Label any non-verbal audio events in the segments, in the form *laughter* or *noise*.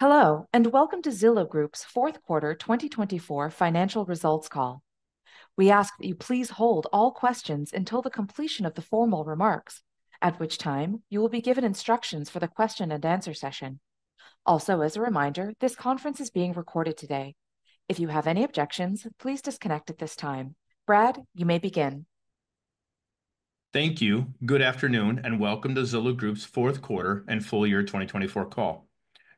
Hello, and welcome to Zillow Group's fourth quarter 2024 financial results call. We ask that you please hold all questions until the completion of the formal remarks, at which time you will be given instructions for the question and answer session. Also, as a reminder, this conference is being recorded today. If you have any objections, please disconnect at this time. Brad, you may begin. Thank you. Good afternoon, and welcome to Zillow Group's fourth quarter and full year 2024 call.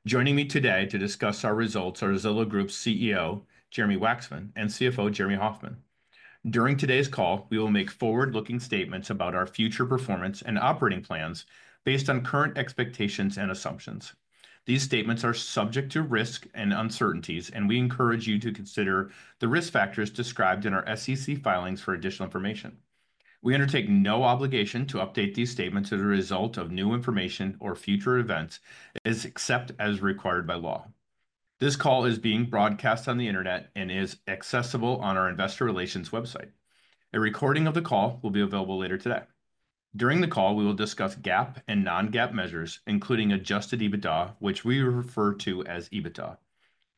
Joining me today to discuss our results are Zillow Group's CEO, Jeremy Wacksman, and CFO, Jeremy Hofmann. During today's call, we will make forward-looking statements about our future performance and operating plans based on current expectations and assumptions. These statements are subject to risk and uncertainties, and we encourage you to consider the risk factors described in our SEC filings for additional information. We undertake no obligation to update these statements as a result of new information or future events, except as required by law. This call is being broadcast on the internet and is accessible on our investor relations website. A recording of the call will be available later today. During the call, we will discuss GAAP and non-GAAP measures, including adjusted EBITDA, which we refer to as EBITDA.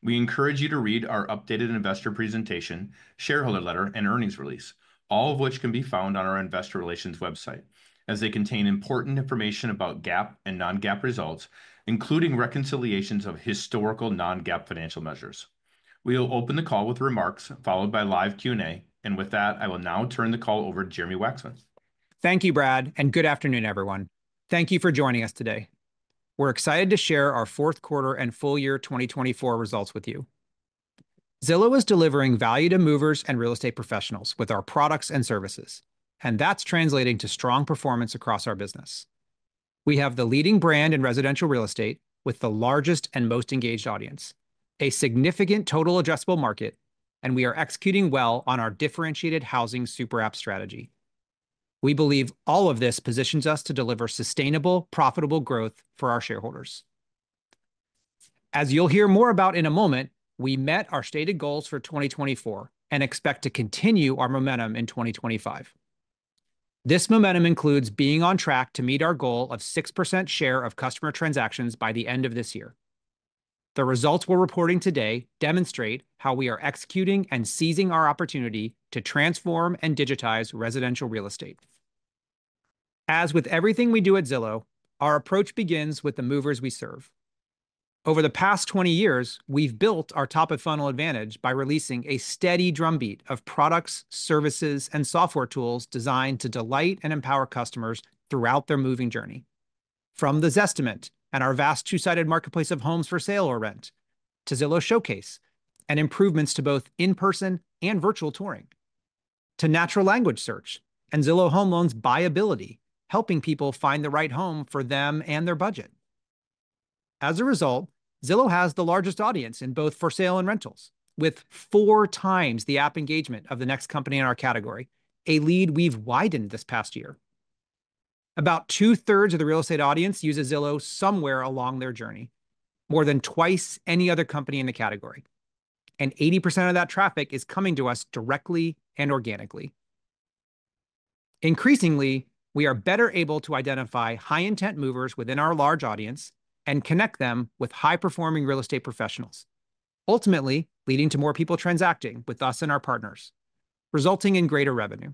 We encourage you to read our updated investor presentation, shareholder letter, and earnings release, all of which can be found on our investor relations website, as they contain important information about GAAP and non-GAAP results, including reconciliations of historical non-GAAP financial measures. We will open the call with remarks followed by live Q&A, and with that, I will now turn the call over to Jeremy Wacksman. Thank you, Brad, and good afternoon, everyone. Thank you for joining us today. We're excited to share our fourth quarter and full year 2024 results with you. Zillow is delivering value to movers and real estate professionals with our products and services, and that's translating to strong performance across our business. We have the leading brand in residential real estate with the largest and most engaged audience, a significant total addressable market, and we are executing well on our differentiated Housing Super App strategy. We believe all of this positions us to deliver sustainable, profitable growth for our shareholders. As you'll hear more about in a moment, we met our stated goals for 2024 and expect to continue our momentum in 2025. This momentum includes being on track to meet our goal of 6% share of customer transactions by the end of this year. The results we're reporting today demonstrate how we are executing and seizing our opportunity to transform and digitize residential real estate. As with everything we do at Zillow, our approach begins with the movers we serve. Over the past 20 years, we've built our top-of-funnel advantage by releasing a steady drumbeat of products, services, and software tools designed to delight and empower customers throughout their moving journey. From the Zestimate and our vast two-sided marketplace of homes for sale or rent, to Zillow Showcase and improvements to both in-person and virtual touring, to natural language search and Zillow Home Loans' BuyAbility, helping people find the right home for them and their budget. As a result, Zillow has the largest audience in both for sale and rentals, with four times the app engagement of the next company in our category, a lead we've widened this past year. About two-thirds of the real estate audience uses Zillow somewhere along their journey, more than twice any other company in the category, and 80% of that traffic is coming to us directly and organically. Increasingly, we are better able to identify high-intent movers within our large audience and connect them with high-performing real estate professionals, ultimately leading to more people transacting with us and our partners, resulting in greater revenue.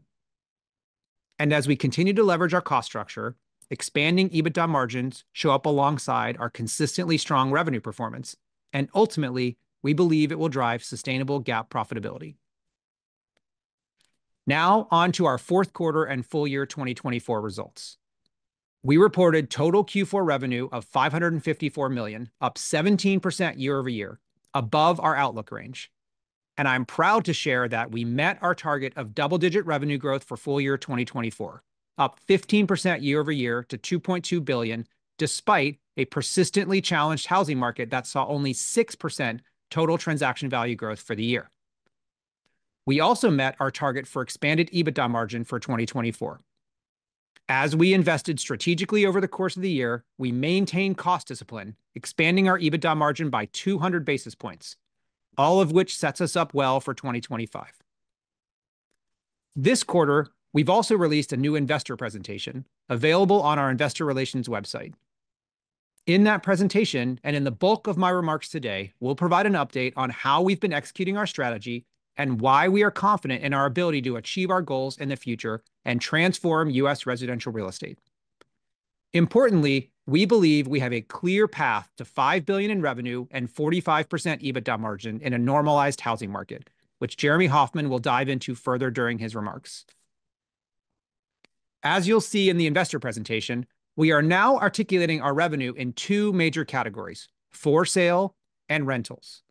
And as we continue to leverage our cost structure, expanding EBITDA margins show up alongside our consistently strong revenue performance, and ultimately, we believe it will drive sustainable GAAP profitability. Now, on to our fourth quarter and full year 2024 results. We reported total Q4 revenue of $554 million, up 17% year-over-year, above our outlook range, and I'm proud to share that we met our target of double-digit revenue growth for full year 2024, up 15% year-over-year to $2.2 billion, despite a persistently challenged housing market that saw only 6% total transaction value growth for the year. We also met our target for expanded EBITDA margin for 2024. As we invested strategically over the course of the year, we maintained cost discipline, expanding our EBITDA margin by 200 basis points, all of which sets us up well for 2025. This quarter, we've also released a new investor presentation available on our investor relations website. In that presentation and in the bulk of my remarks today, we'll provide an update on how we've been executing our strategy and why we are confident in our ability to achieve our goals in the future and transform U.S. residential real estate. Importantly, we believe we have a clear path to $5 billion in revenue and 45% EBITDA margin in a normalized housing market, which Jeremy Hofmann will dive into further during his remarks. As you'll see in the investor presentation, we are now articulating our revenue in two major categories: for sale and rentals.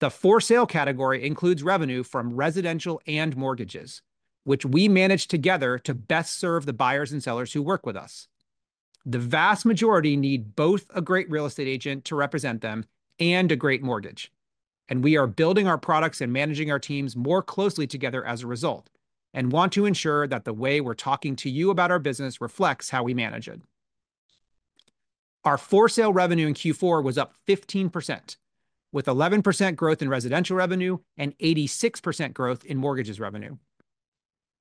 The for sale category includes revenue from residential and mortgages, which we manage together to best serve the buyers and sellers who work with us. The vast majority need both a great real estate agent to represent them and a great mortgage, and we are building our products and managing our teams more closely together as a result and want to ensure that the way we're talking to you about our business reflects how we manage it. Our for sale revenue in Q4 was up 15%, with 11% growth in residential revenue and 86% growth in mortgages revenue.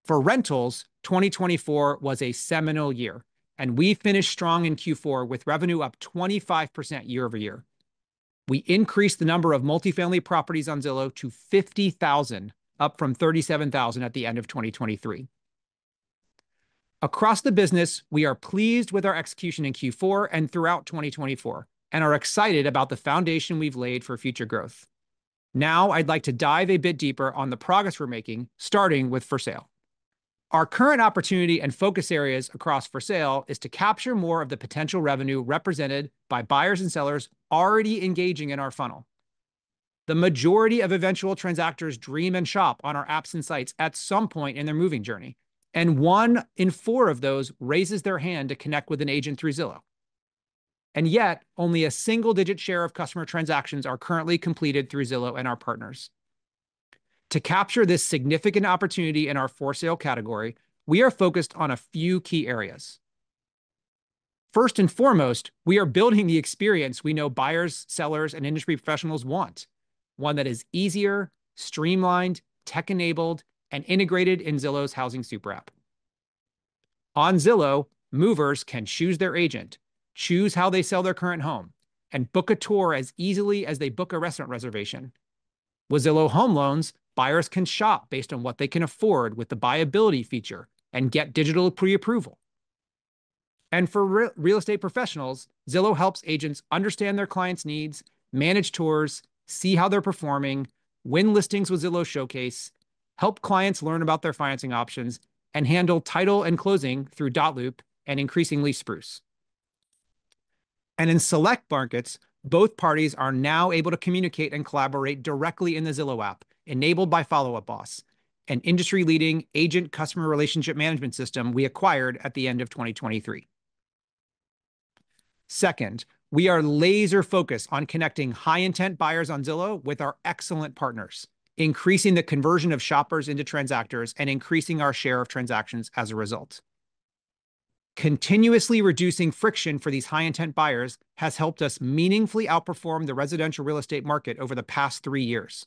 For rentals, 2024 was a seminal year, and we finished strong in Q4 with revenue up 25% year-over-year. We increased the number of multifamily properties on Zillow to 50,000, up from 37,000 at the end of 2023. Across the business, we are pleased with our execution in Q4 and throughout 2024, and are excited about the foundation we've laid for future growth. Now, I'd like to dive a bit deeper on the progress we're making, starting with for sale. Our current opportunity and focus areas across for sale is to capture more of the potential revenue represented by buyers and sellers already engaging in our funnel. The majority of eventual transactors dream and shop on our apps and sites at some point in their moving journey, and one in four of those raises their hand to connect with an agent through Zillow. And yet, only a single-digit share of customer transactions are currently completed through Zillow and our partners. To capture this significant opportunity in our for sale category, we are focused on a few key areas. First and foremost, we are building the experience we know buyers, sellers, and industry professionals want: one that is easier, streamlined, tech-enabled, and integrated in Zillow's housing super app. On Zillow, movers can choose their agent, choose how they sell their current home, and book a tour as easily as they book a restaurant reservation. With Zillow Home Loans, buyers can shop based on what they can afford with the BuyAbility feature and get digital pre-approval. And for real estate professionals, Zillow helps agents understand their clients' needs, manage tours, see how they're performing, win listings with Zillow Showcase, help clients learn about their financing options, and handle title and closing through Dotloop and increasingly Spruce. And in select markets, both parties are now able to communicate and collaborate directly in the Zillow app, enabled by Follow Up Boss, an industry-leading agent-customer relationship management system we acquired at the end of 2023. Second, we are laser-focused on connecting high-intent buyers on Zillow with our excellent partners, increasing the conversion of shoppers into transactors and increasing our share of transactions as a result. Continuously reducing friction for these high-intent buyers has helped us meaningfully outperform the residential real estate market over the past three years,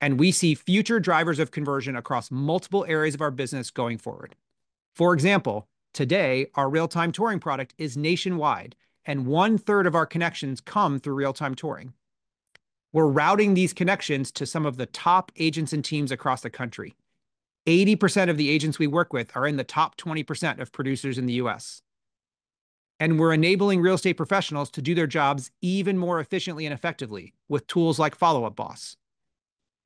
and we see future drivers of conversion across multiple areas of our business going forward. For example, today, our real-time touring product is nationwide, and 1/3 of our connections come through Real-Time Touring. We're routing these connections to some of the top agents and teams across the country. 80% of the agents we work with are in the top 20% of producers in the U.S., and we're enabling real estate professionals to do their jobs even more efficiently and effectively with tools like Follow Up Boss.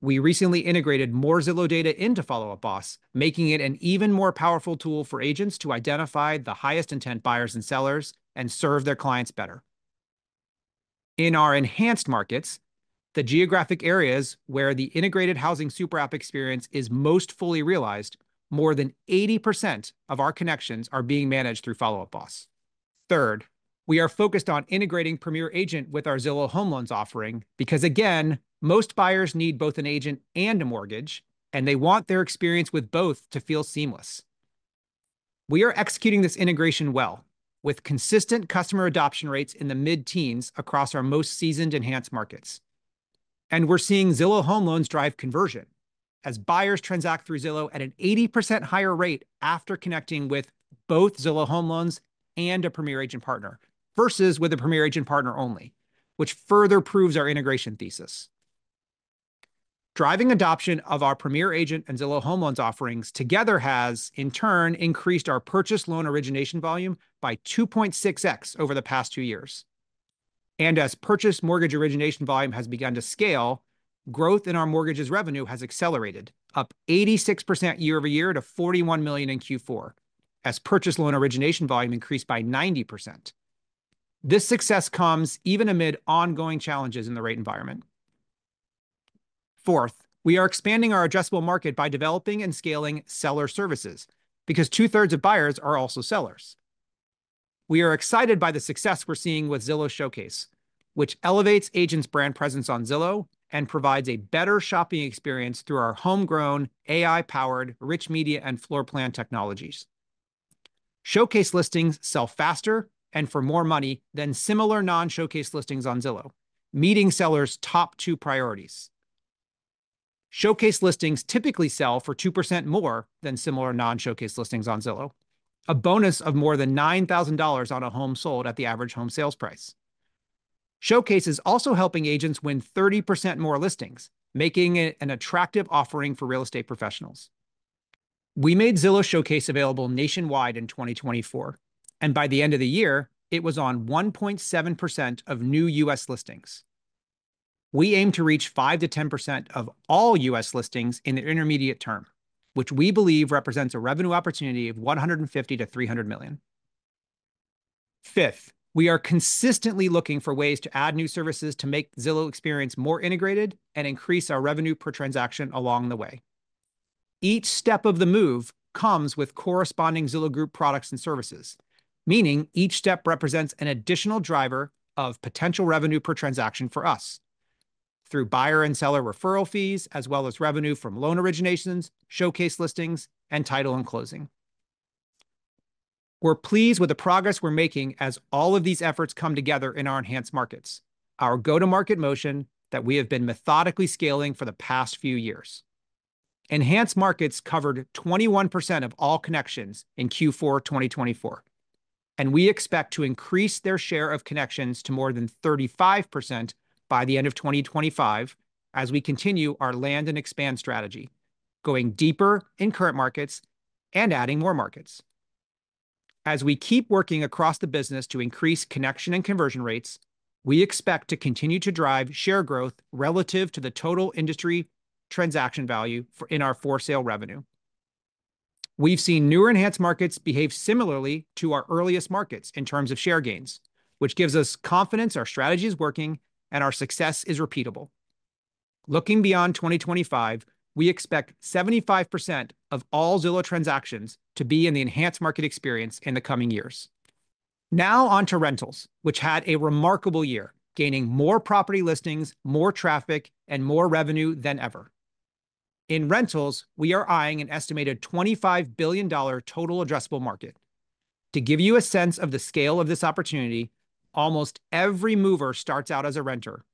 We recently integrated more Zillow data into Follow Up Boss, making it an even more powerful tool for agents to identify the highest intent buyers and sellers and serve their clients better. In our Enhanced Markets, the geographic areas where the integrated housing super app experience is most fully realized, more than 80% of our connections are being managed through Follow Up Boss. Third, we are focused on integrating Premier Agent with our Zillow Home Loans offering because, again, most buyers need both an agent and a mortgage, and they want their experience with both to feel seamless. We are executing this integration well, with consistent customer adoption rates in the mid-teens across our most seasoned Enhanced Markets. We're seeing Zillow Home Loans drive conversion as buyers transact through Zillow at an 80% higher rate after connecting with both Zillow Home Loans and a Premier Agent partner versus with a Premier Agent partner only, which further proves our integration thesis. Driving adoption of our Premier Agent and Zillow Home Loans offerings together has, in turn, increased our purchase loan origination volume by 2.6x over the past two years. As purchase mortgage origination volume has begun to scale, growth in our mortgages revenue has accelerated, up 86% year-over-year to $41 million in Q4, as purchase loan origination volume increased by 90%. This success comes even amid ongoing challenges in the rate environment. Fourth, we are expanding our addressable market by developing and scaling seller services because 2/3s of buyers are also sellers. We are excited by the success we're seeing with Zillow Showcase, which elevates agents' brand presence on Zillow and provides a better shopping experience through our homegrown, AI-powered, rich media and floor plan technologies. Showcase listings sell faster and for more money than similar non-Showcase listings on Zillow, meeting sellers' top two priorities. Showcase listings typically sell for 2% more than similar non-Showcase listings on Zillow, a bonus of more than $9,000 on a home sold at the average home sales price. Showcase is also helping agents win 30% more listings, making it an attractive offering for real estate professionals. We made Zillow Showcase available nationwide in 2024, and by the end of the year, it was on 1.7% of new U.S. listings. We aim to reach 5%-10% of all U.S. listings in the intermediate term, which we believe represents a revenue opportunity of $150 million -$300 million. Fifth, we are consistently looking for ways to add new services to make Zillow experience more integrated and increase our revenue per transaction along the way. Each step of the move comes with corresponding Zillow Group products and services, meaning each step represents an additional driver of potential revenue per transaction for us through buyer and seller referral fees, as well as revenue from loan originations, showcase listings, and title and closing. We're pleased with the progress we're making as all of these efforts come together in our Enhanced Markets, our go-to-market motion that we have been methodically scaling for the past few years. Enhanced Markets covered 21% of all connections in Q4 2024, and we expect to increase their share of connections to more than 35% by the end of 2025 as we continue our land and expand strategy, going deeper in current markets and adding more markets. As we keep working across the business to increase connection and conversion rates, we expect to continue to drive share growth relative to the total industry transaction value in our for sale revenue. We've seen newer Enhanced Markets behave similarly to our earliest markets in terms of share gains, which gives us confidence our strategy is working and our success is repeatable. Looking beyond 2025, we expect 75% of all Zillow transactions to be in the Enhanced Market experience in the coming years. Now on to rentals, which had a remarkable year, gaining more property listings, more traffic, and more revenue than ever. In rentals, we are eyeing an estimated $25 billion total addressable market. To give you a sense of the scale of this opportunity, almost every mover starts out as a renter,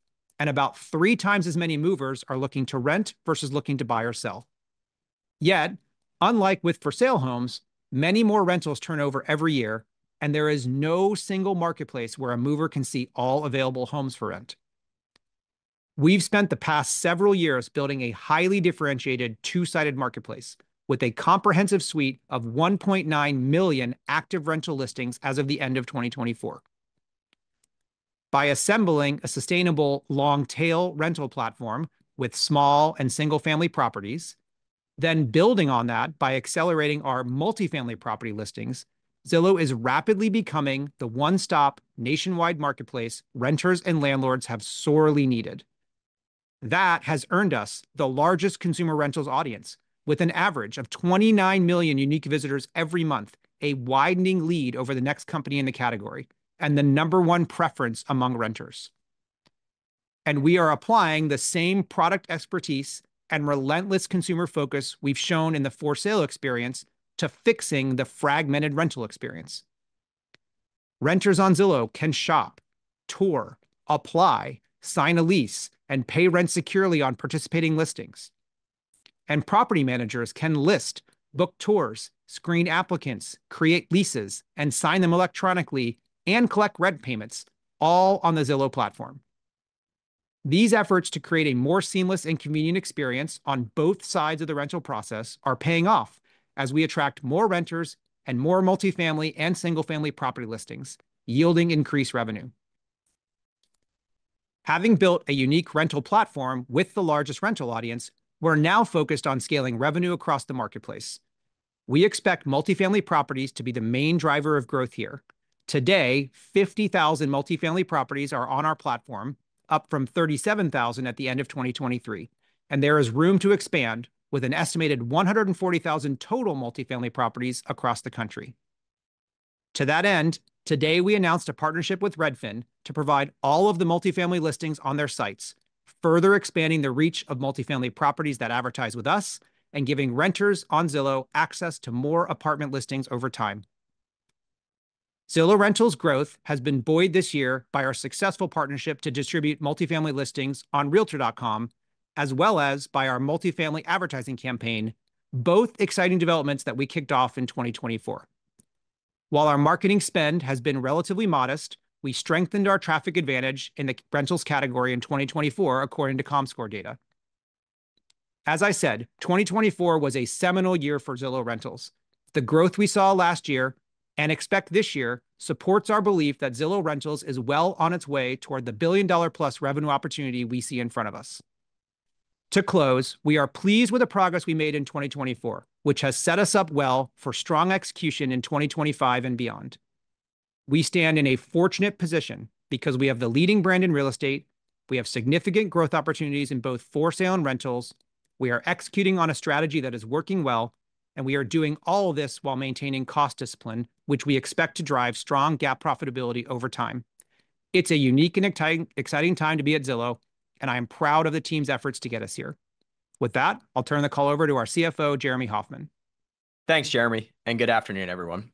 and about three times as many movers are looking to rent versus looking to buy or sell. Yet, unlike with for sale homes, many more rentals turn over every year, and there is no single marketplace where a mover can see all available homes for rent. We've spent the past several years building a highly differentiated two-sided marketplace with a comprehensive suite of 1.9 million active rental listings as of the end of 2024. By assembling a sustainable long-tail rental platform with small and single-family properties, then building on that by accelerating our multifamily property listings, Zillow is rapidly becoming the one-stop nationwide marketplace renters and landlords have sorely needed. That has earned us the largest consumer rentals audience, with an average of 29 million unique visitors every month, a widening lead over the next company in the category, and the number one preference among renters. And we are applying the same product expertise and relentless consumer focus we've shown in the for sale experience to fixing the fragmented rental experience. Renters on Zillow can shop, tour, apply, sign a lease, and pay rent securely on participating listings. And property managers can list, book tours, screen applicants, create leases, and sign them electronically and collect rent payments, all on the Zillow platform. These efforts to create a more seamless and convenient experience on both sides of the rental process are paying off as we attract more renters and more multifamily and single-family property listings, yielding increased revenue. Having built a unique rental platform with the largest rental audience, we're now focused on scaling revenue across the marketplace. We expect multifamily properties to be the main driver of growth here. Today, 50,000 multifamily properties are on our platform, up from 37,000 at the end of 2023, and there is room to expand with an estimated 140,000 total multifamily properties across the country. To that end, today we announced a partnership with Redfin to provide all of the multifamily listings on their sites, further expanding the reach of multifamily properties that advertise with us and giving renters on Zillow access to more apartment listings over time. Zillow Rentals' growth has been buoyed this year by our successful partnership to distribute multifamily listings on Realtor.com, as well as by our multifamily advertising campaign, both exciting developments that we kicked off in 2024. While our marketing spend has been relatively modest, we strengthened our traffic advantage in the rentals category in 2024, according to Comscore data. As I said, 2024 was a seminal year for Zillow Rentals. The growth we saw last year and expect this year supports our belief that Zillow Rentals is well on its way toward the billion-dollar-plus revenue opportunity we see in front of us. To close, we are pleased with the progress we made in 2024, which has set us up well for strong execution in 2025 and beyond. We stand in a fortunate position because we have the leading brand in real estate, we have significant growth opportunities in both for sale and rentals, we are executing on a strategy that is working well, and we are doing all of this while maintaining cost discipline, which we expect to drive strong GAAP profitability over time. It's a unique and exciting time to be at Zillow, and I am proud of the team's efforts to get us here. With that, I'll turn the call over to our CFO, Jeremy Hofmann. Thanks, Jeremy, and good afternoon, everyone.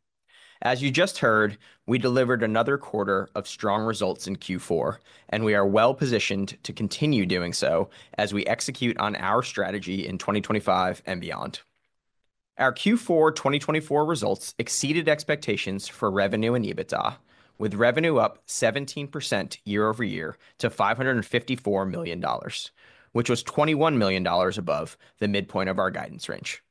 As you just heard, we delivered another quarter of strong results in Q4, and we are well positioned to continue doing so as we execute on our strategy in 2025 and beyond. Our Q4 2024 results exceeded expectations for revenue and EBITDA, with revenue up 17% year-over-year to $554 million, which was $21 million above the midpoint of our guidance range.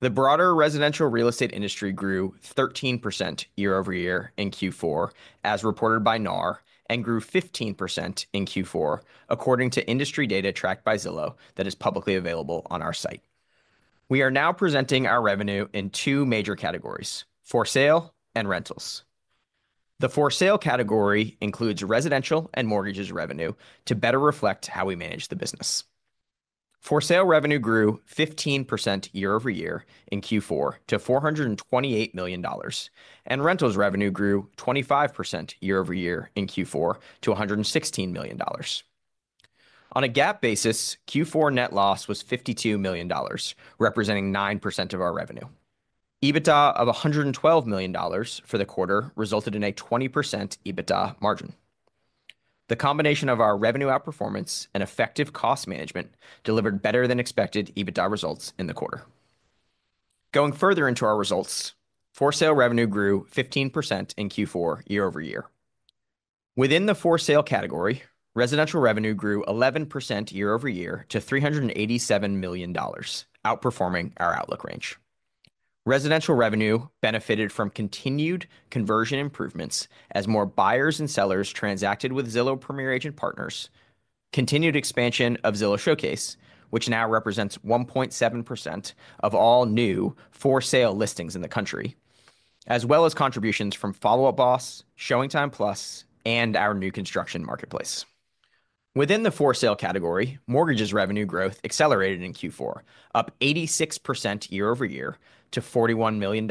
The broader residential real estate industry grew 13% year-over-year in Q4, as reported by NAR, and grew 15% in Q4, according to industry data tracked by Zillow that is publicly available on our site. We are now presenting our revenue in two major categories: for sale and rentals. The for sale category includes residential and mortgages revenue to better reflect how we manage the business. For sale revenue grew 15% year-over-year in Q4 to $428 million, and rentals revenue grew 25% year-over-year in Q4 to $116 million. On a GAAP basis, Q4 net loss was $52 million, representing 9% of our revenue. EBITDA of $112 million for the quarter resulted in a 20% EBITDA margin. The combination of our revenue outperformance and effective cost management delivered better than expected EBITDA results in the quarter. Going further into our results, for sale revenue grew 15% in Q4 year-over-year. Within the for sale category, residential revenue grew 11% year-over-year to $387 million, outperforming our outlook range. Residential revenue benefited from continued conversion improvements as more buyers and sellers transacted with Zillow Premier Agent partners. Continued expansion of Zillow Showcase, which now represents 1.7% of all new for sale listings in the country, as well as contributions from Follow Up Boss, ShowingTime Plus, and our new construction marketplace. Within the for sale category, mortgages revenue growth accelerated in Q4, up 86% year-over-year to $41 million,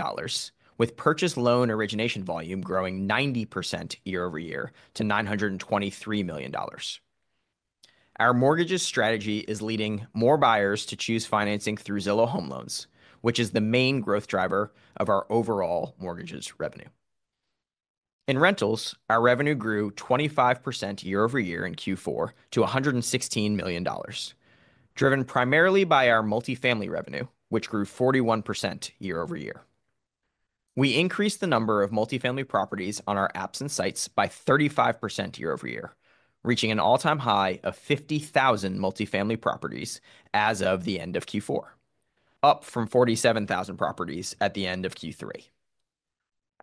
with purchase loan origination volume growing 90% year-over-year to $923 million. Our mortgages strategy is leading more buyers to choose financing through Zillow Home Loans, which is the main growth driver of our overall mortgages revenue. In rentals, our revenue grew 25% year-over-year in Q4 to $116 million, driven primarily by our multifamily revenue, which grew 41% year-over-year. We increased the number of multifamily properties on our apps and sites by 35% year-over-year, reaching an all-time high of 50,000 multifamily properties as of the end of Q4, up from 47,000 properties at the end of Q3.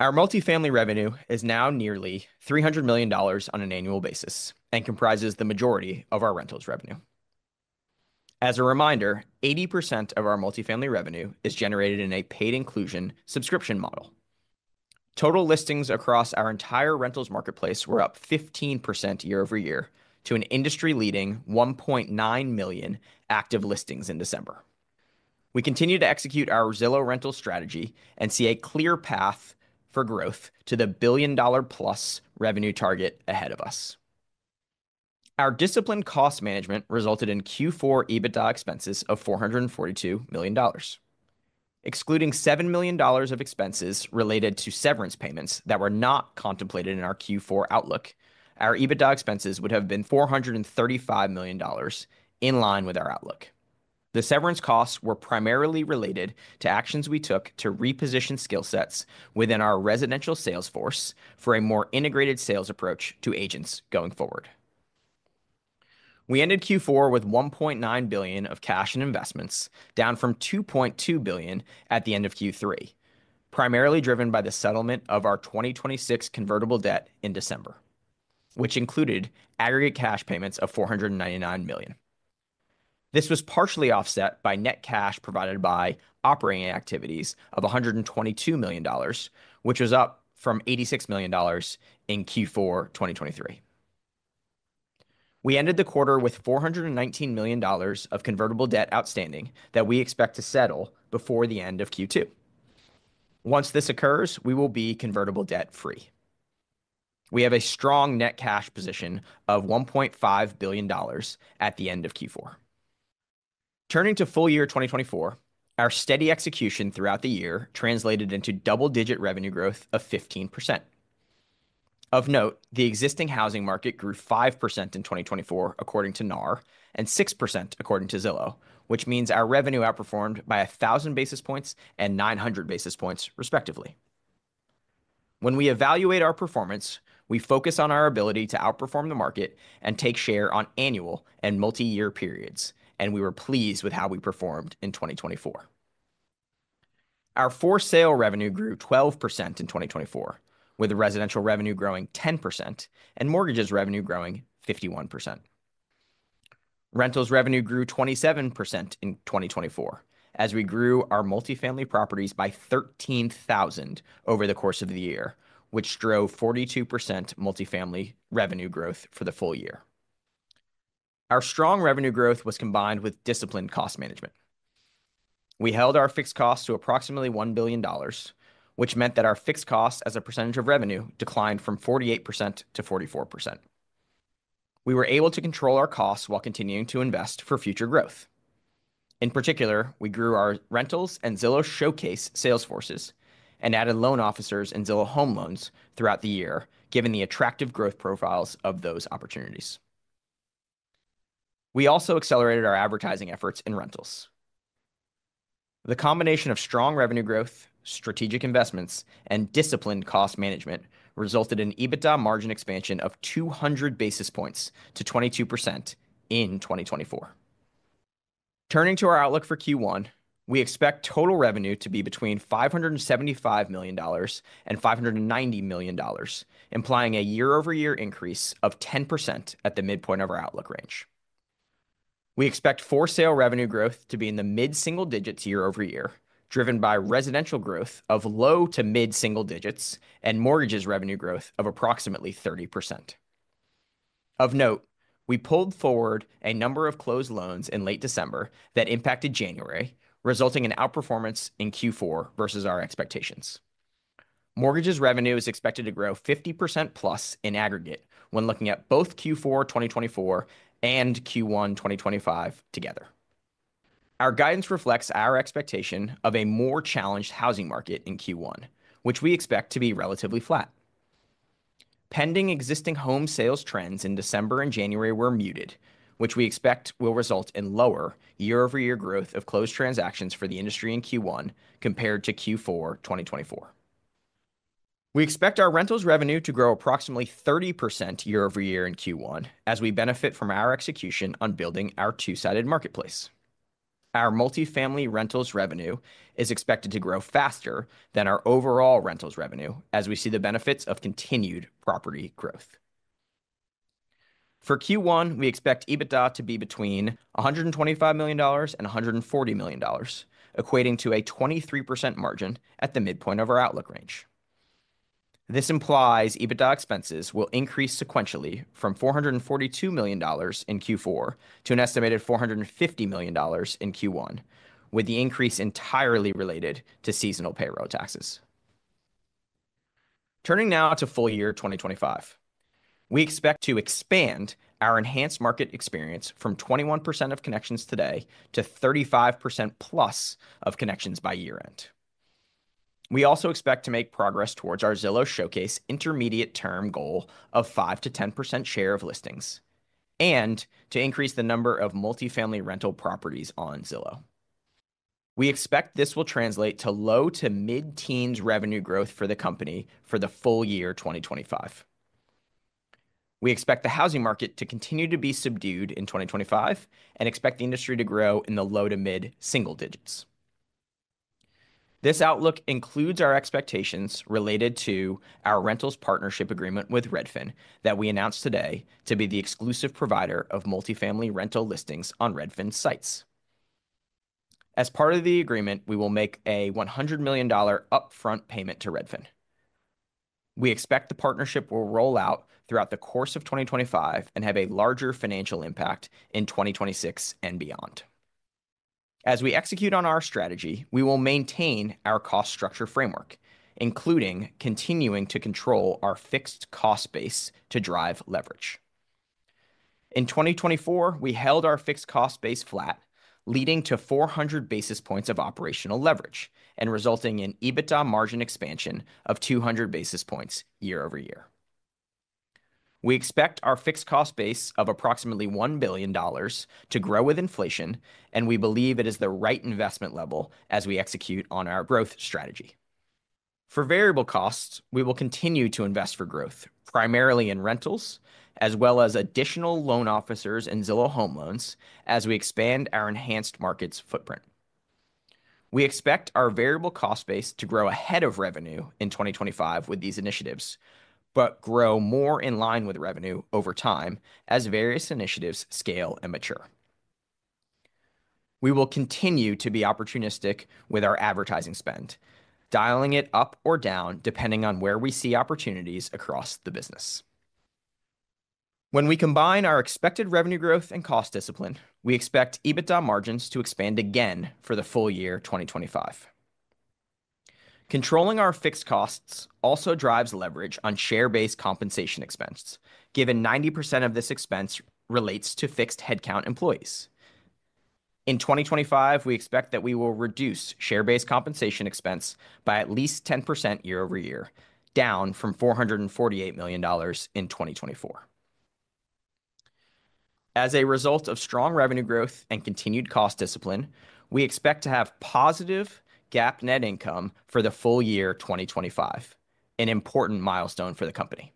Our multifamily revenue is now nearly $300 million on an annual basis and comprises the majority of our rentals revenue. As a reminder, 80% of our multifamily revenue is generated in a paid inclusion subscription model. Total listings across our entire rentals marketplace were up 15% year-over-year to an industry-leading 1.9 million active listings in December. We continue to execute our Zillow Rentals strategy and see a clear path for growth to the billion-dollar-plus revenue target ahead of us. Our disciplined cost management resulted in Q4 EBITDA expenses of $442 million. Excluding $7 million of expenses related to severance payments that were not contemplated in our Q4 outlook, our EBITDA expenses would have been $435 million in line with our outlook. The severance costs were primarily related to actions we took to reposition skill sets within our residential sales force for a more integrated sales approach to agents going forward. We ended Q4 with $1.9 billion of cash and investments, down from $2.2 billion at the end of Q3, primarily driven by the settlement of our 2026 convertible debt in December, which included aggregate cash payments of $499 million. This was partially offset by net cash provided by operating activities of $122 million, which was up from $86 million in Q4 2023. We ended the quarter with $419 million of convertible debt outstanding that we expect to settle before the end of Q2. Once this occurs, we will be convertible debt free. We have a strong net cash position of $1.5 billion at the end of Q4. Turning to full year 2024, our steady execution throughout the year translated into double-digit revenue growth of 15%. Of note, the existing housing market grew 5% in 2024 according to NAR and 6% according to Zillow, which means our revenue outperformed by 1,000 basis points and 900 basis points, respectively. When we evaluate our performance, we focus on our ability to outperform the market and take share on annual and multi-year periods, and we were pleased with how we performed in 2024. Our For Sale revenue grew 12% in 2024, with Residential revenue growing 10% and Mortgages revenue growing 51%. Rentals revenue grew 27% in 2024 as we grew our multifamily properties by 13,000 over the course of the year, which drove 42% multifamily revenue growth for the full year. Our strong revenue growth was combined with disciplined cost management. We held our fixed costs to approximately $1 billion, which meant that our fixed costs as a percentage of revenue declined from 48% - 44%. We were able to control our costs while continuing to invest for future growth. In particular, we grew our rentals and Zillow Showcase sales forces and added loan officers in Zillow Home Loans throughout the year, given the attractive growth profiles of those opportunities. We also accelerated our advertising efforts in rentals. The combination of strong revenue growth, strategic investments, and disciplined cost management resulted in EBITDA margin expansion of 200 basis points to 22% in 2024. Turning to our outlook for Q1, we expect total revenue to be between $575 million and $590 million, implying a year-over-year increase of 10% at the midpoint of our outlook range. We expect for sale revenue growth to be in the mid-single digits year-over-year, driven by residential growth of low to mid-single digits and mortgages revenue growth of approximately 30%. Of note, we pulled forward a number of closed loans in late December that impacted January, resulting in outperformance in Q4 versus our expectations. Mortgages revenue is expected to grow 50% + in aggregate when looking at both Q4 2024 and Q1 2025 together. Our guidance reflects our expectation of a more challenged housing market in Q1, which we expect to be relatively flat. Pending existing home sales trends in December and January were muted, which we expect will result in lower year-over-year growth of closed transactions for the industry in Q1 compared to Q4 2024. We expect our rentals revenue to grow approximately 30% year-over-year in Q1 as we benefit from our execution on building our two-sided marketplace. Our multifamily rentals revenue is expected to grow faster than our overall rentals revenue as we see the benefits of continued property growth. For Q1, we expect EBITDA to be between $125 million and $140 million, equating to a 23% margin at the midpoint of our outlook range. This implies EBITDA expenses will increase sequentially from $442 million in Q4 to an estimated $450 million in Q1, with the increase entirely related to seasonal payroll taxes. Turning now to full year 2025, we expect to expand our Enhanced Market experience from 21% of connections today to 35% + of connections by year-end. We also expect to make progress towards our Zillow Showcase intermediate-term goal of 5%-10% share of listings and to increase the number of multifamily rental properties on Zillow. We expect this will translate to low to mid-teens revenue growth for the company for the full year 2025. We expect the housing market to continue to be subdued in 2025 and expect the industry to grow in the low to mid-single digits. This outlook includes our expectations related to our rentals partnership agreement with Redfin that we announced today to be the exclusive provider of multifamily rental listings on Redfin's sites. As part of the agreement, we will make a $100 million upfront payment to Redfin. We expect the partnership will roll out throughout the course of 2025 and have a larger financial impact in 2026 and beyond. As we execute on our strategy, we will maintain our cost structure framework, including continuing to control our fixed cost base to drive leverage. In 2024, we held our fixed cost base flat, leading to 400 basis points of operational leverage and resulting in EBITDA margin expansion of 200 basis points year-over-year. We expect our fixed cost base of approximately $1 billion to grow with inflation, and we believe it is the right investment level as we execute on our growth strategy. For variable costs, we will continue to invest for growth, primarily in rentals, as well as additional loan officers and Zillow Home Loans as we expand our Enhanced Markets footprint. We expect our variable cost base to grow ahead of revenue in 2025 with these initiatives, but grow more in line with revenue over time as various initiatives scale and mature. We will continue to be opportunistic with our advertising spend, dialing it up or down depending on where we see opportunities across the business. When we combine our expected revenue growth and cost discipline, we expect EBITDA margins to expand again for the full year 2025. Controlling our fixed costs also drives leverage on share-based compensation expense, given 90% of this expense relates to fixed headcount employees. In 2025, we expect that we will reduce share-based compensation expense by at least 10% year-over-year, down from $448 million in 2024. As a result of strong revenue growth and continued cost discipline, we expect to have positive GAAP net income for the full year 2025, an important milestone for the company.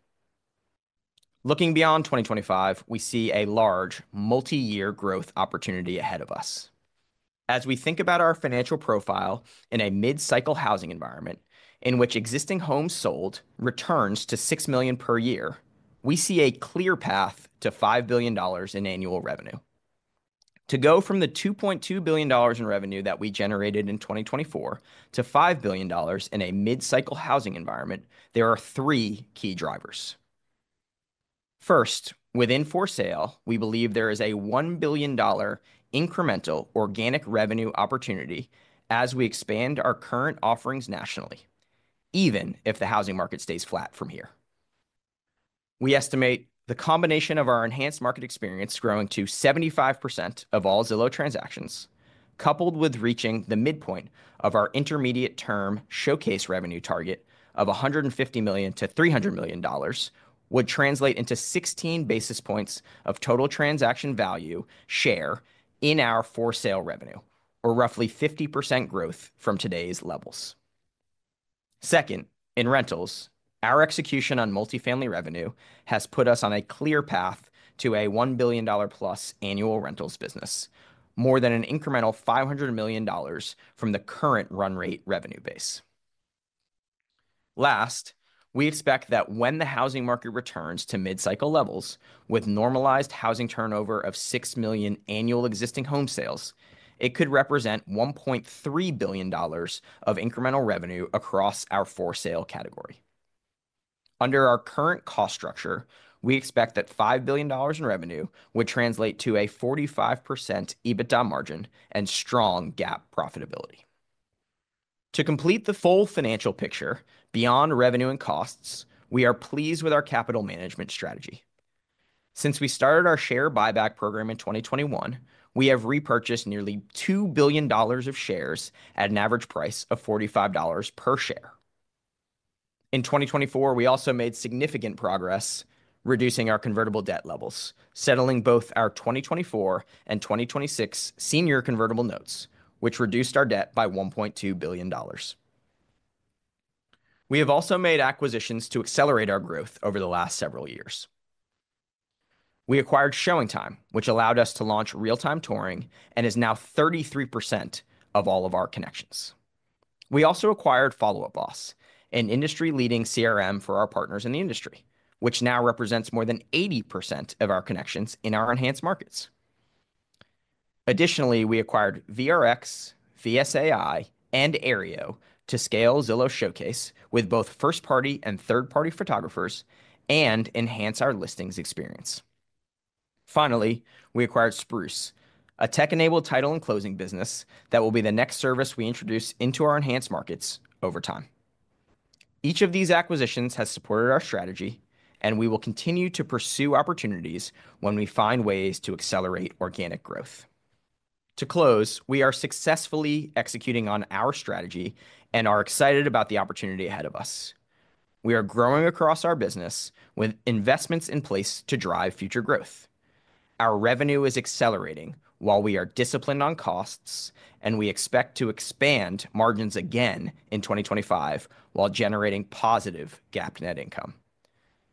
Looking beyond 2025, we see a large multi-year growth opportunity ahead of us. As we think about our financial profile in a mid-cycle housing environment in which existing home sales return to $6 million per year, we see a clear path to $5 billion in annual revenue. To go from the $2.2 billion in revenue that we generated in 2024 to $5 billion in a mid-cycle housing environment, there are three key drivers. First, within for sale, we believe there is a $1 billion incremental organic revenue opportunity as we expand our current offerings nationally, even if the housing market stays flat from here. We estimate the combination of our Enhanced Market experience growing to 75% of all Zillow transactions, coupled with reaching the midpoint of our intermediate-term showcase revenue target of $150 million-$300 million, would translate into 16 basis points of total transaction value share in our for sale revenue, or roughly 50% growth from today's levels. Second, in rentals, our execution on multifamily revenue has put us on a clear path to a $1 billion + annual rentals business, more than an incremental $500 million from the current run rate revenue base. Last, we expect that when the housing market returns to mid-cycle levels, with normalized housing turnover of 6 million annual existing home sales, it could represent $1.3 billion of incremental revenue across our for sale category. Under our current cost structure, we expect that $5 billion in revenue would translate to a 45% EBITDA margin and strong GAAP profitability. To complete the full financial picture beyond revenue and costs, we are pleased with our capital management strategy. Since we started our share buyback program in 2021, we have repurchased nearly $2 billion of shares at an average price of $45 per share. In 2024, we also made significant progress reducing our convertible debt levels, settling both our 2024 and 2026 senior convertible notes, which reduced our debt by $1.2 billion. We have also made acquisitions to accelerate our growth over the last several years. We acquired ShowingTime, which allowed us to launch Real-Time Touring and is now 33% of all of our connections. We also acquired Follow Up Boss, an industry-leading CRM for our partners in the industry, which now represents more than 80% of our connections in our Enhanced Markets. Additionally, we acquired VRX, VSAI, and Aryeo to scale Zillow Showcase with both first-party and third-party photographers and enhance our listings experience. Finally, we acquired Spruce, a tech-enabled title and closing business that will be the next service we introduce into our Enhanced Markets over time. Each of these acquisitions has supported our strategy, and we will continue to pursue opportunities when we find ways to accelerate organic growth. To close, we are successfully executing on our strategy and are excited about the opportunity ahead of us. We are growing across our business with investments in place to drive future growth. Our revenue is accelerating while we are disciplined on costs, and we expect to expand margins again in 2025 while generating positive GAAP net income.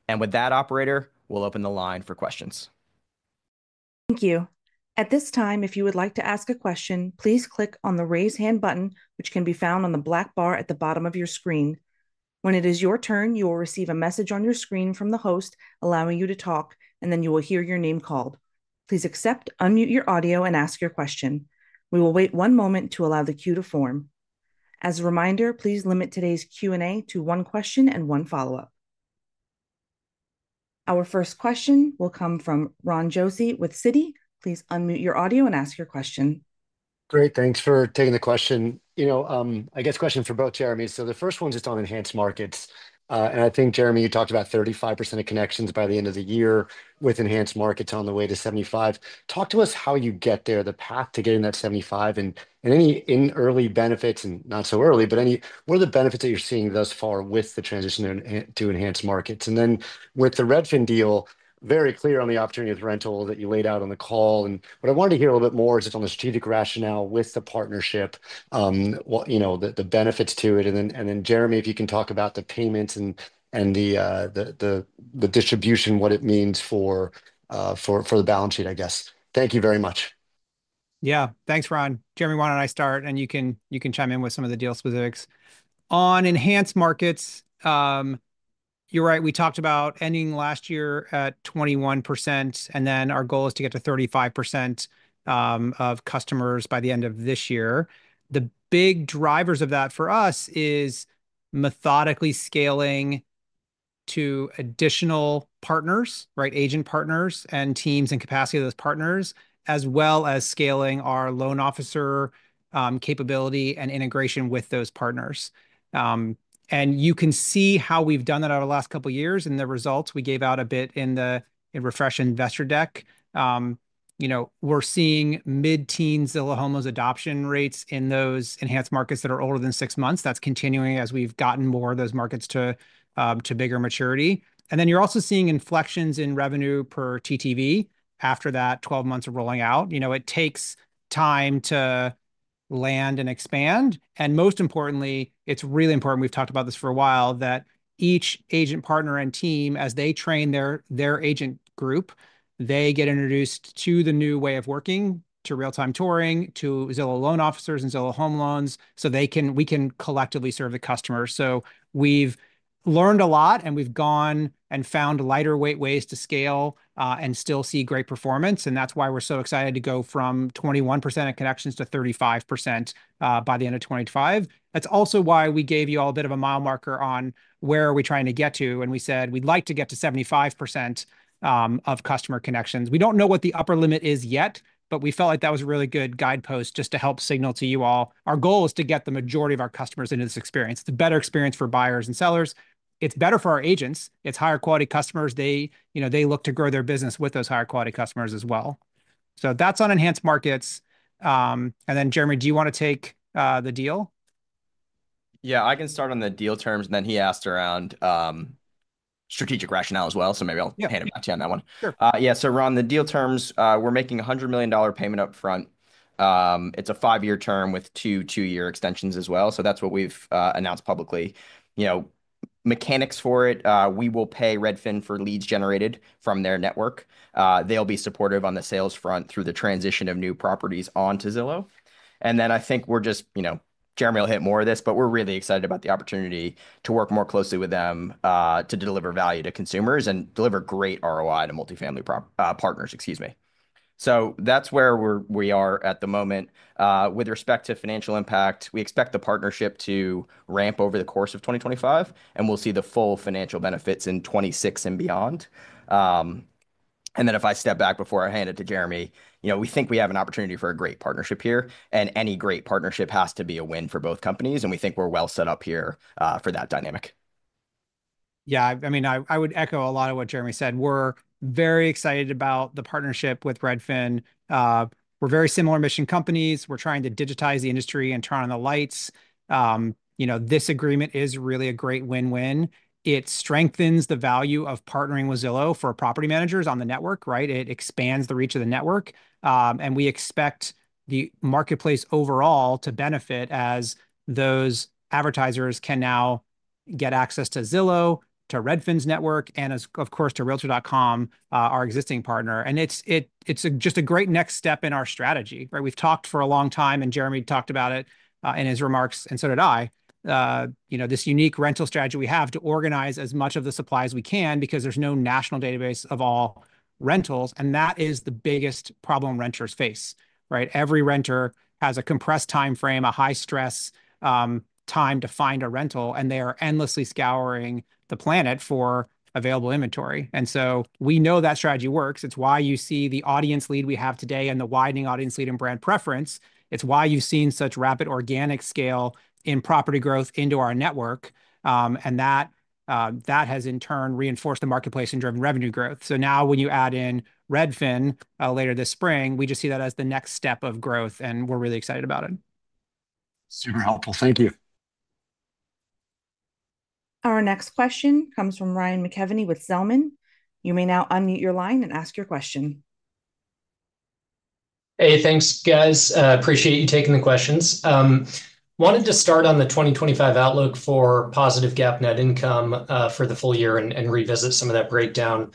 And with that, Operator, we'll open the line for questions. Thank you. At this time, if you would like to ask a question, please click on the raise hand button, which can be found on the black bar at the bottom of your screen. When it is your turn, you will receive a message on your screen from the host allowing you to talk, and then you will hear your name called. Please accept, unmute your audio, and ask your question. We will wait one moment to allow the queue to form. As a reminder, please limit today's Q&A to one question and one follow-up. Our first question will come from Ron Josey with Citi. Please unmute your audio and ask your question. Great. Thanks for taking the question. You know, I guess question for both Jeremys. So the first one's just on Enhanced Markets. And I think, Jeremy, you talked about 35% of connections by the end of the year with Enhanced Markets on the way to 75%. Talk to us how you get there, the path to getting that 75% and any early benefits and not so early, but any what are the benefits that you're seeing thus far with the transition to Enhanced Markets? And then with the Redfin deal, very clear on the opportunity of rental that you laid out on the call. And what I wanted to hear a little bit more is just on the strategic rationale with the partnership, you know, the benefits to it. And then, Jeremy, if you can talk about the payments and the distribution, what it means for the balance sheet, I guess. Thank you very much. Yeah, thanks, Ron. Jeremy, why don't I start? And you can chime in with some of the deal specifics. On Enhanced Markets, you're right. We talked about ending last year at 21%, and then our goal is to get to 35% of customers by the end of this year. The big drivers of that for us is methodically scaling to additional partners, right, agent partners and teams and capacity of those partners, as well as scaling our loan officer capability and integration with those partners. And you can see how we've done that over the last couple of years. And the results we gave out a bit in the refresh Investor Deck. You know, we're seeing mid-teens Zillow Home Loans adoption rates in those Enhanced Markets that are older than six months. That's continuing as we've gotten more of those markets to bigger maturity. And then you're also seeing inflections in revenue per TTV after that 12 months of rolling out. You know, it takes time to land and expand. And most importantly, it's really important. We've talked about this for a while, that each agent partner and team, as they train their agent group, they get introduced to the new way of working, to Real-Time Touring, to Zillow loan officers and Zillow Home Loans, so they can, we can collectively serve the customers. So we've learned a lot, and we've gone and found lighter weight ways to scale and still see great performance. That's why we're so excited to go from 21% of connections to 35% by the end of 2025. That's also why we gave you all a bit of a mile marker on where are we trying to get to. And we said we'd like to get to 75% of customer connections. We don't know what the upper limit is yet, but we felt like that was a really good guidepost just to help signal to you all. Our goal is to get the majority of our customers into this experience. It's a better experience for buyers and sellers. It's better for our agents. It's higher quality customers. They, you know, they look to grow their business with those higher quality customers as well. So that's on Enhanced Markets. And then, Jeremy, do you want to take the deal? Yeah, I can start on the deal terms. And then he asked about strategic rationale as well. So maybe I'll *crosstalk* hand it back to you on that one. Sure. Yeah. So, Ron, the deal terms, we're making a $100 million payment upfront. It's a five-year term with two two-year extensions as well. So that's what we've announced publicly. You know, mechanics for it, we will pay Redfin for leads generated from their network. They'll be supportive on the sales front through the transition of new properties onto Zillow. And then I think we're just, you know, Jeremy will hit more of this, but we're really excited about the opportunity to work more closely with them to deliver value to consumers and deliver great ROI to multifamily partners, excuse me. So that's where we are at the moment. With respect to financial impact, we expect the partnership to ramp over the course of 2025, and we'll see the full financial benefits in 2026 and beyond. And then if I step back before I hand it to Jeremy, you know, we think we have an opportunity for a great partnership here, and any great partnership has to be a win for both companies. And we think we're well set up here for that dynamic. Yeah, I mean, I would echo a lot of what Jeremy said. We're very excited about the partnership with Redfin. We're very similar mission companies. We're trying to digitize the industry and turn on the lights. You know, this agreement is really a great win-win. It strengthens the value of partnering with Zillow for property managers on the network, right? It expands the reach of the network. And we expect the marketplace overall to benefit as those advertisers can now get access to Zillow, to Redfin's network, and of course to Realtor.com, our existing partner. And it's just a great next step in our strategy, right? We've talked for a long time, and Jeremy talked about it in his remarks, and so did I. You know, this unique rental strategy we have to organize as much of the supply we can because there's no national database of all rentals. And that is the biggest problem renters face, right? Every renter has a compressed time frame, a high-stress time to find a rental, and they are endlessly scouring the planet for available inventory. And so we know that strategy works. It's why you see the audience lead we have today and the widening audience lead and brand preference. It's why you've seen such rapid organic scale in property growth into our network. And that has in turn reinforced the marketplace and driven revenue growth. So now when you add in Redfin later this spring, we just see that as the next step of growth, and we're really excited about it. Super helpful. Thank you. Our next question comes from Ryan McKeveny with Zelman. You may now unmute your line and ask your question. Hey, thanks, guys. Appreciate you taking the questions. Wanted to start on the 2025 outlook for positive GAAP net income for the full year and revisit some of that breakdown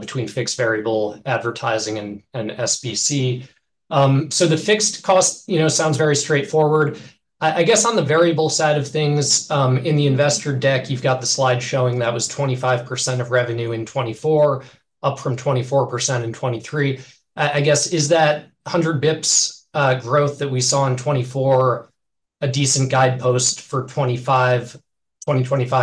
between fixed, variable advertising, and SBC. So the fixed cost, you know, sounds very straightforward. I guess on the variable side of things in the investor deck, you've got the slide showing that was 25% of revenue in 2024, up from 24% in 2023. I guess, is that 100 basis points growth that we saw in 2024 a decent guidepost for 2025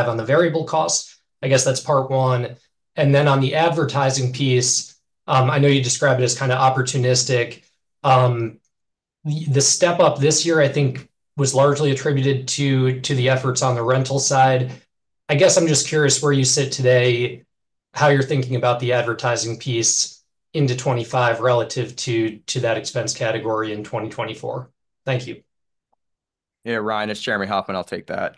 on the variable cost? I guess that's part one. And then on the advertising piece, I know you described it as kind of opportunistic. The step up this year, I think, was largely attributed to the efforts on the rental side. I guess I'm just curious where you sit today, how you're thinking about the advertising piece into 2025 relative to that expense category in 2024. Thank you. Yeah, Ryan, it's Jeremy Hofmann. I'll take that.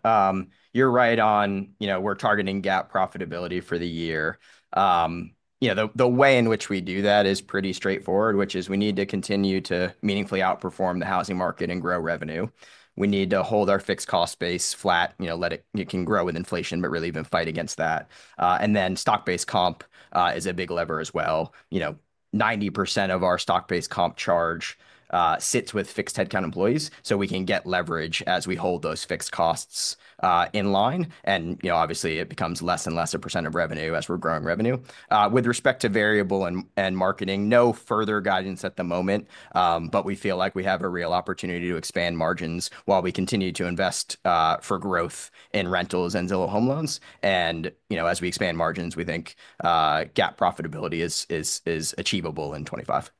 You're right on, you know, we're targeting GAAP profitability for the year. You know, the way in which we do that is pretty straightforward, which is we need to continue to meaningfully outperform the housing market and grow revenue. We need to hold our fixed cost base flat, you know, let it can grow with inflation, but really even fight against that. And then stock-based comp is a big lever as well. You know, 90% of our stock-based comp charge sits with fixed headcount employees, so we can get leverage as we hold those fixed costs in line. And, you know, obviously, it becomes less and less a percent of revenue as we're growing revenue. With respect to variable and marketing, no further guidance at the moment, but we feel like we have a real opportunity to expand margins while we continue to invest for growth in rentals and Zillow Home Loans. And, you know, as we expand margins, we think GAAP profitability is achievable in 2025.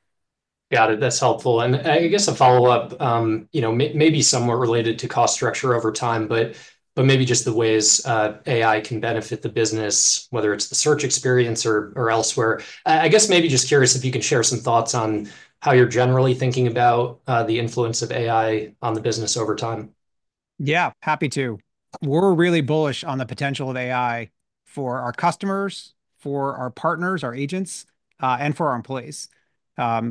Got it. That's helpful. And I guess a follow-up, you know, maybe somewhat related to cost structure over time, but maybe just the ways AI can benefit the business, whether it's the search experience or elsewhere. I guess maybe just curious if you can share some thoughts on how you're generally thinking about the influence of AI on the business over time. Yeah, happy to. We're really bullish on the potential of AI for our customers, for our partners, our agents, and for our employees.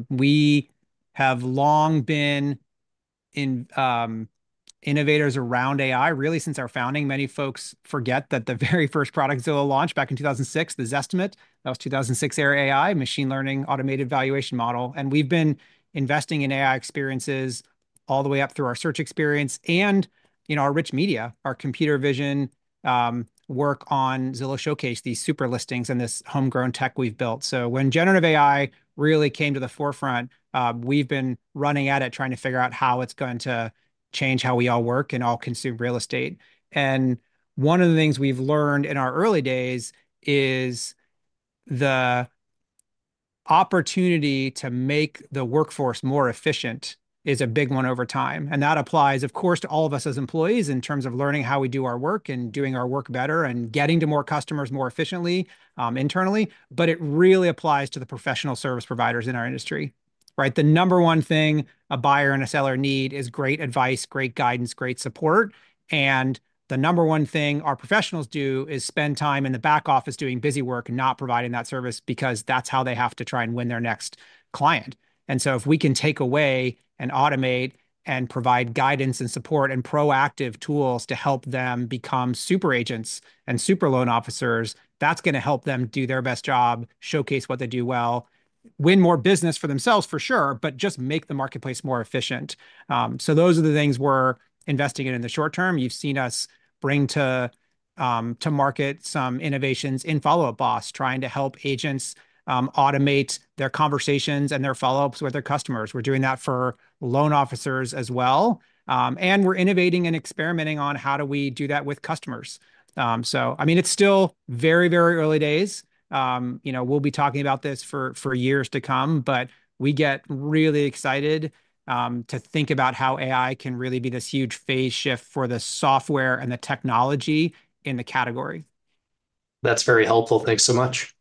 We have long been innovators around AI, really, since our founding. Many folks forget that the very first product Zillow launched back in 2006, the Zestimate. That was 2006 era AI, machine learning, automated valuation model. And we've been investing in AI experiences all the way up through our search experience and, you know, our rich media, our computer vision work on Zillow Showcase, these super listings and this homegrown tech we've built. So when generative AI really came to the forefront, we've been running at it, trying to figure out how it's going to change how we all work and all consume real estate. And one of the things we've learned in our early days is the opportunity to make the workforce more efficient is a big one over time. And that applies, of course, to all of us as employees in terms of learning how we do our work and doing our work better and getting to more customers more efficiently internally. But it really applies to the professional service providers in our industry, right? The number one thing a buyer and a seller need is great advice, great guidance, great support. And the number one thing our professionals do is spend time in the back office doing busy work and not providing that service because that's how they have to try and win their next client. And so if we can take away and automate and provide guidance and support and proactive tools to help them become super agents and super loan officers, that's going to help them do their best job, showcase what they do well, win more business for themselves for sure, but just make the marketplace more efficient. So those are the things we're investing in the short term. You've seen us bring to market some innovations in Follow Up Boss, trying to help agents automate their conversations and their follow-ups with their customers. We're doing that for loan officers as well. And we're innovating and experimenting on how do we do that with customers. So, I mean, it's still very, very early days. You know, we'll be talking about this for years to come, but we get really excited to think about how AI can really be this huge phase shift for the software and the technology in the category. That's very helpful. Thanks so much.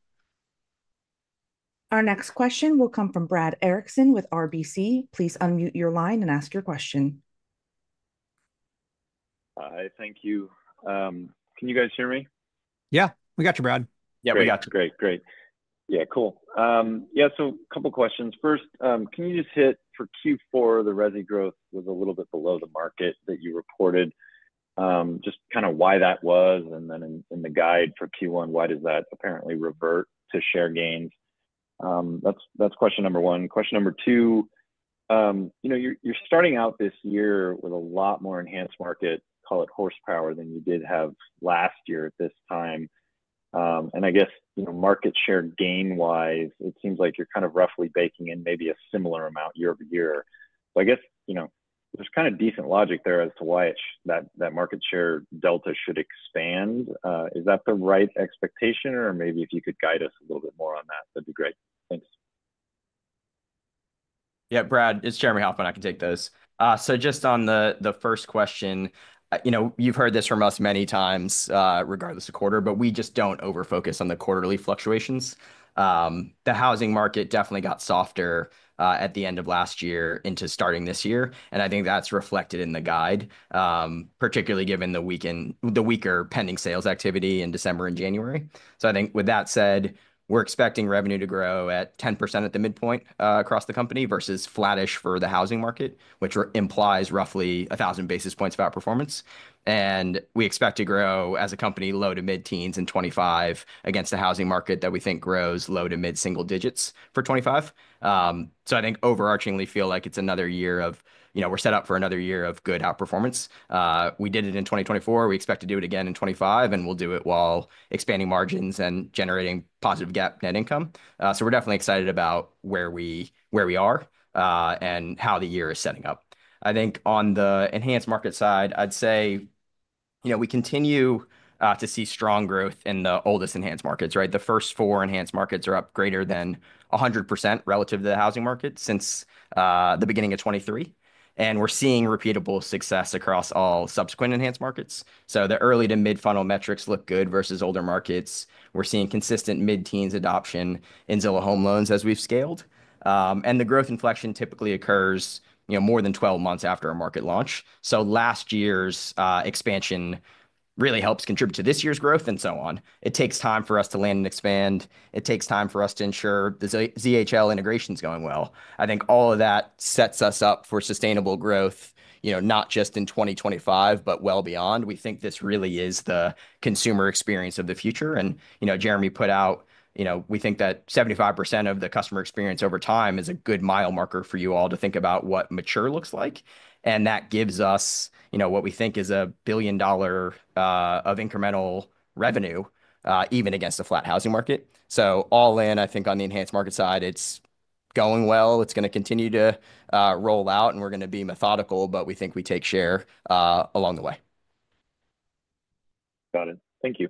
Our next question will come from Brad Erickson with RBC. Please unmute your line and ask your question. Hi, thank you. Can you guys hear me? Yeah, we got you, Brad. Yeah, we got you. Great, great. Yeah, cool. Yeah, so a couple of questions. First, can you just hit for Q4 the revenue growth was a little bit below the market that you reported. Just kind of why that was. And then in the guide for Q1, why does that apparently revert to share gains? That's question number one. Question number two, you know, you're starting out this year with a lot more Enhanced Markets, call it horsepower, than you did have last year at this time. And I guess, you know, market share gain-wise, it seems like you're kind of roughly baking in maybe a similar amount year-over-year. So I guess, you know, there's kind of decent logic there as to why that market share delta should expand. Is that the right expectation? Or maybe if you could guide us a little bit more on that, that'd be great. Thanks. Yeah, Brad, it's Jeremy Hofmann. I can take this. So just on the first question, you know, you've heard this from us many times regardless of quarter, but we just don't over-focus on the quarterly fluctuations. The housing market definitely got softer at the end of last year into starting this year. And I think that's reflected in the guide, particularly given the weaker pending sales activity in December and January. So I think with that said, we're expecting revenue to grow at 10% at the midpoint across the company versus flattish for the housing market, which implies roughly 1,000 basis points of outperformance. And we expect to grow as a company low to mid-teens in 2025 against a housing market that we think grows low to mid-single digits for 2025. So I think overarchingly feel like it's another year of, you know, we're set up for another year of good outperformance. We did it in 2024. We expect to do it again in 2025, and we'll do it while expanding margins and generating positive GAAP net income. So we're definitely excited about where we are. How the year is setting up. I think on the Enhanced Markets side, I'd say, you know, we continue to see strong growth in the oldest Enhanced Markets, right? The first four Enhanced Markets are up greater than 100% relative to the housing market since the beginning of 2023. We're seeing repeatable success across all subsequent Enhanced Markets. So the early to mid-funnel metrics look good versus older markets. We're seeing consistent mid-teens adoption in Zillow Home Loans as we've scaled. The growth inflection typically occurs, you know, more than 12 months after a market launch. Last year's expansion really helps contribute to this year's growth and so on. It takes time for us to land and expand. It takes time for us to ensure the ZHL integration is going well. I think all of that sets us up for sustainable growth, you know, not just in 2025, but well beyond. We think this really is the consumer experience of the future. And, you know, Jeremy put out, you know, we think that 75% of the customer experience over time is a good mile marker for you all to think about what mature looks like. And that gives us, you know, what we think is a billion dollar of incremental revenue, even against a flat housing market. So all in, I think on the Enhanced Market side, it's going well. It's going to continue to roll out, and we're going to be methodical, but we think we take share along the way. Got it. Thank you.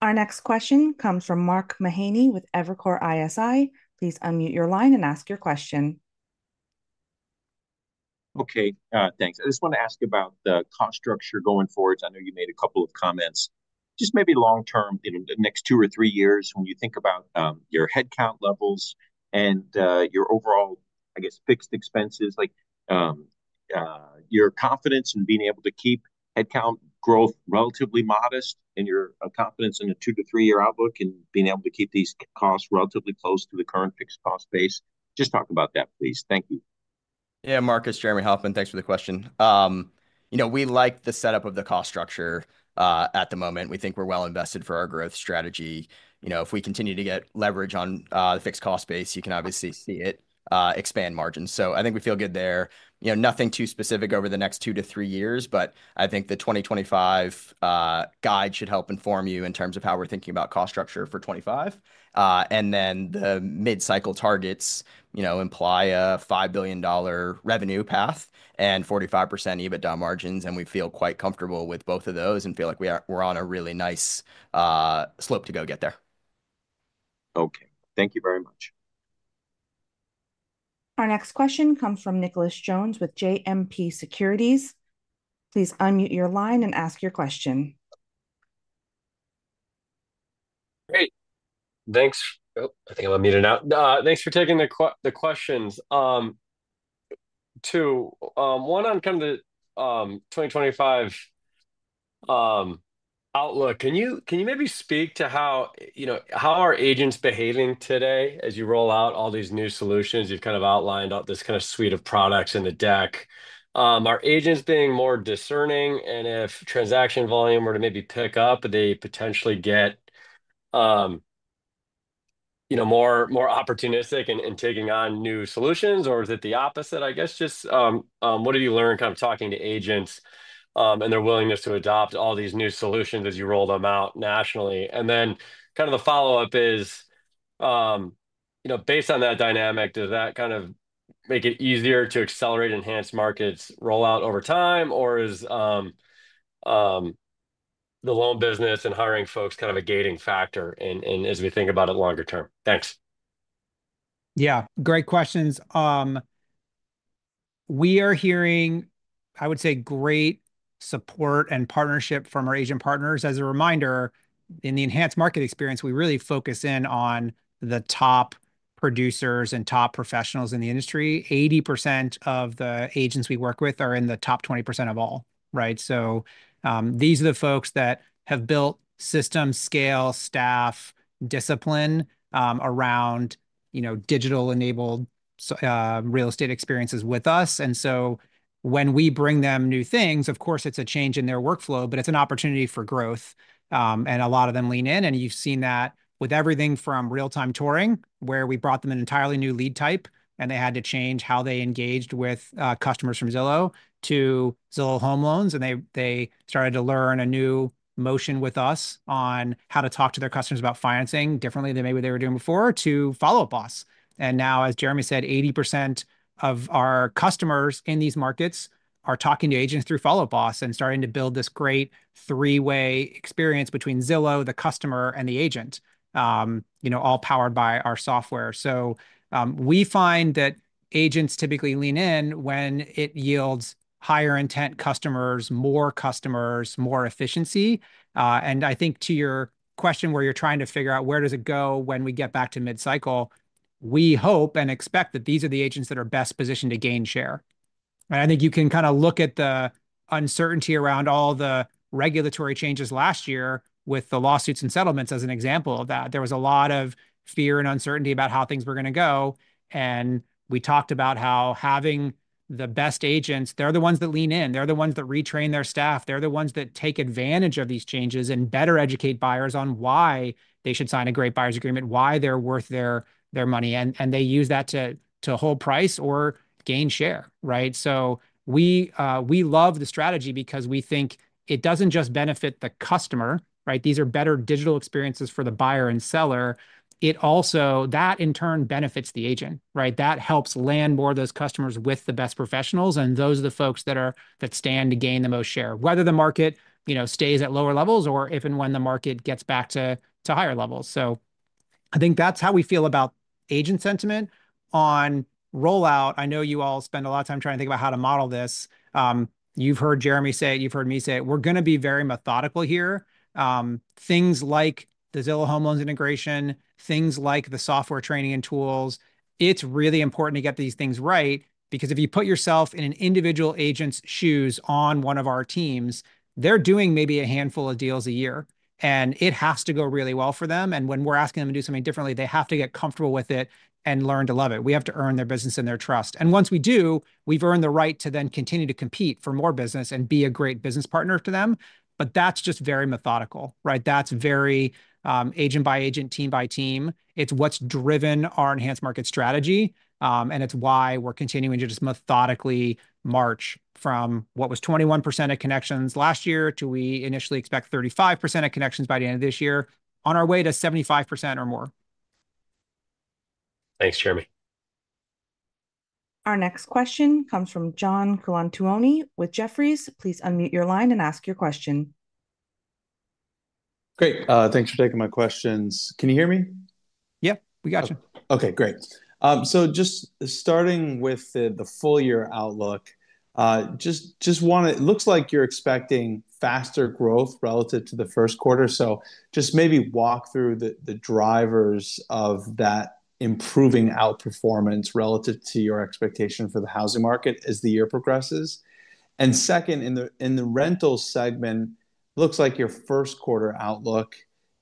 Our next question comes from Mark Mahaney with Evercore ISI. Please unmute your line and ask your question. Okay, thanks. I just want to ask about the cost structure going forward. I know you made a couple of comments. Just maybe long term, you know, the next two or three years when you think about your headcount levels and your overall, I guess, fixed expenses, like your confidence in being able to keep headcount growth relatively modest and your confidence in a two to three-year outlook and being able to keep these costs relatively close to the current fixed cost base. Just talk about that, please. Thank you. Yeah, Marcus. Jeremy Hofmann, thanks for the question. You know, we like the setup of the cost structure at the moment. We think we're well invested for our growth strategy. You know, if we continue to get leverage on the fixed cost base, you can obviously see it expand margins. So I think we feel good there. You know, nothing too specific over the next two to three years, but I think the 2025 guide should help inform you in terms of how we're thinking about cost structure for 2025, and then the mid-cycle targets, you know, imply a $5 billion revenue path and 45% EBITDA margins, and we feel quite comfortable with both of those and feel like we're on a really nice slope to go get there. Okay, thank you very much. Our next question comes from Nicholas Jones with JMP Securities. Please unmute your line and ask your question. Great. Thanks. I think I'm unmuted now. Thanks for taking the questions. Two, one on kind of the 2025 outlook. Can you maybe speak to how, you know, how are agents behaving today as you roll out all these new solutions? You've kind of outlined this kind of suite of products in the deck. Are agents being more discerning? And if transaction volume were to maybe pick up, they potentially get, you know, more opportunistic in taking on new solutions? Or is it the opposite? I guess just what have you learned kind of talking to agents and their willingness to adopt all these new solutions as you roll them out nationally? And then kind of the follow-up is, you know, based on that dynamic, does that kind of make it easier to accelerate Enhanced Markets rollout over time? Or is the loan business and hiring folks kind of a gating factor as we think about it longer term? Thanks. Yeah, great questions. We are hearing, I would say, great support and partnership from our agent partners. As a reminder, in the Enhanced Markets experience, we really focus in on the top producers and top professionals in the industry. 80% of the agents we work with are in the top 20% of all, right? So these are the folks that have built system scale, staff, discipline around, you know, digital-enabled real estate experiences with us. And so when we bring them new things, of course, it's a change in their workflow, but it's an opportunity for growth. And a lot of them lean in. And you've seen that with everything from Real-Time Touring, where we brought them an entirely new lead type, and they had to change how they engaged with customers from Zillow to Zillow Home Loans. And they started to learn a new motion with us on how to talk to their customers about financing differently than maybe they were doing before to Follow Up Boss. And now, as Jeremy said, 80% of our customers in these markets are talking to agents through Follow Up Boss and starting to build this great three-way experience between Zillow, the customer, and the agent, you know, all powered by our software. So we find that agents typically lean in when it yields higher intent customers, more customers, more efficiency. And I think to your question where you're trying to figure out where does it go when we get back to mid-cycle, we hope and expect that these are the agents that are best positioned to gain share. And I think you can kind of look at the uncertainty around all the regulatory changes last year with the lawsuits and settlements as an example of that. There was a lot of fear and uncertainty about how things were going to go. And we talked about how having the best agents, they're the ones that lean in. They're the ones that retrain their staff. They're the ones that take advantage of these changes and better educate buyers on why they should sign a great buyer's agreement, why they're worth their money. And they use that to hold price or gain share, right? So we love the strategy because we think it doesn't just benefit the customer, right? These are better digital experiences for the buyer and seller. It also, that in turn benefits the agent, right? That helps land more of those customers with the best professionals. And those are the folks that stand to gain the most share, whether the market, you know, stays at lower levels or if and when the market gets back to higher levels. So I think that's how we feel about agent sentiment on rollout. I know you all spend a lot of time trying to think about how to model this. You've heard Jeremy say it. You've heard me say it. We're going to be very methodical here. Things like the Zillow Home Loans integration, things like the software training and tools, it's really important to get these things right because if you put yourself in an individual agent's shoes on one of our teams, they're doing maybe a handful of deals a year. And it has to go really well for them. And when we're asking them to do something differently, they have to get comfortable with it and learn to love it. We have to earn their business and their trust. And once we do, we've earned the right to then continue to compete for more business and be a great business partner to them. But that's just very methodical, right? That's very agent by agent, team by team. It's what's driven our Enhanced Market strategy. And it's why we're continuing to just methodically march from what was 21% of connections last year to we initially expect 35% of connections by the end of this year on our way to 75% or more. Thanks, Jeremy. Our next question comes from John Colantuoni with Jefferies. Please unmute your line and ask your question. Great. Thanks for taking my questions. Can you hear me? Yeah, we got you. Okay, great. So just starting with the full year outlook, just want to, it looks like you're expecting faster growth relative to the first quarter. So just maybe walk through the drivers of that improving outperformance relative to your expectation for the housing market as the year progresses. And second, in the rental segment, it looks like your first quarter outlook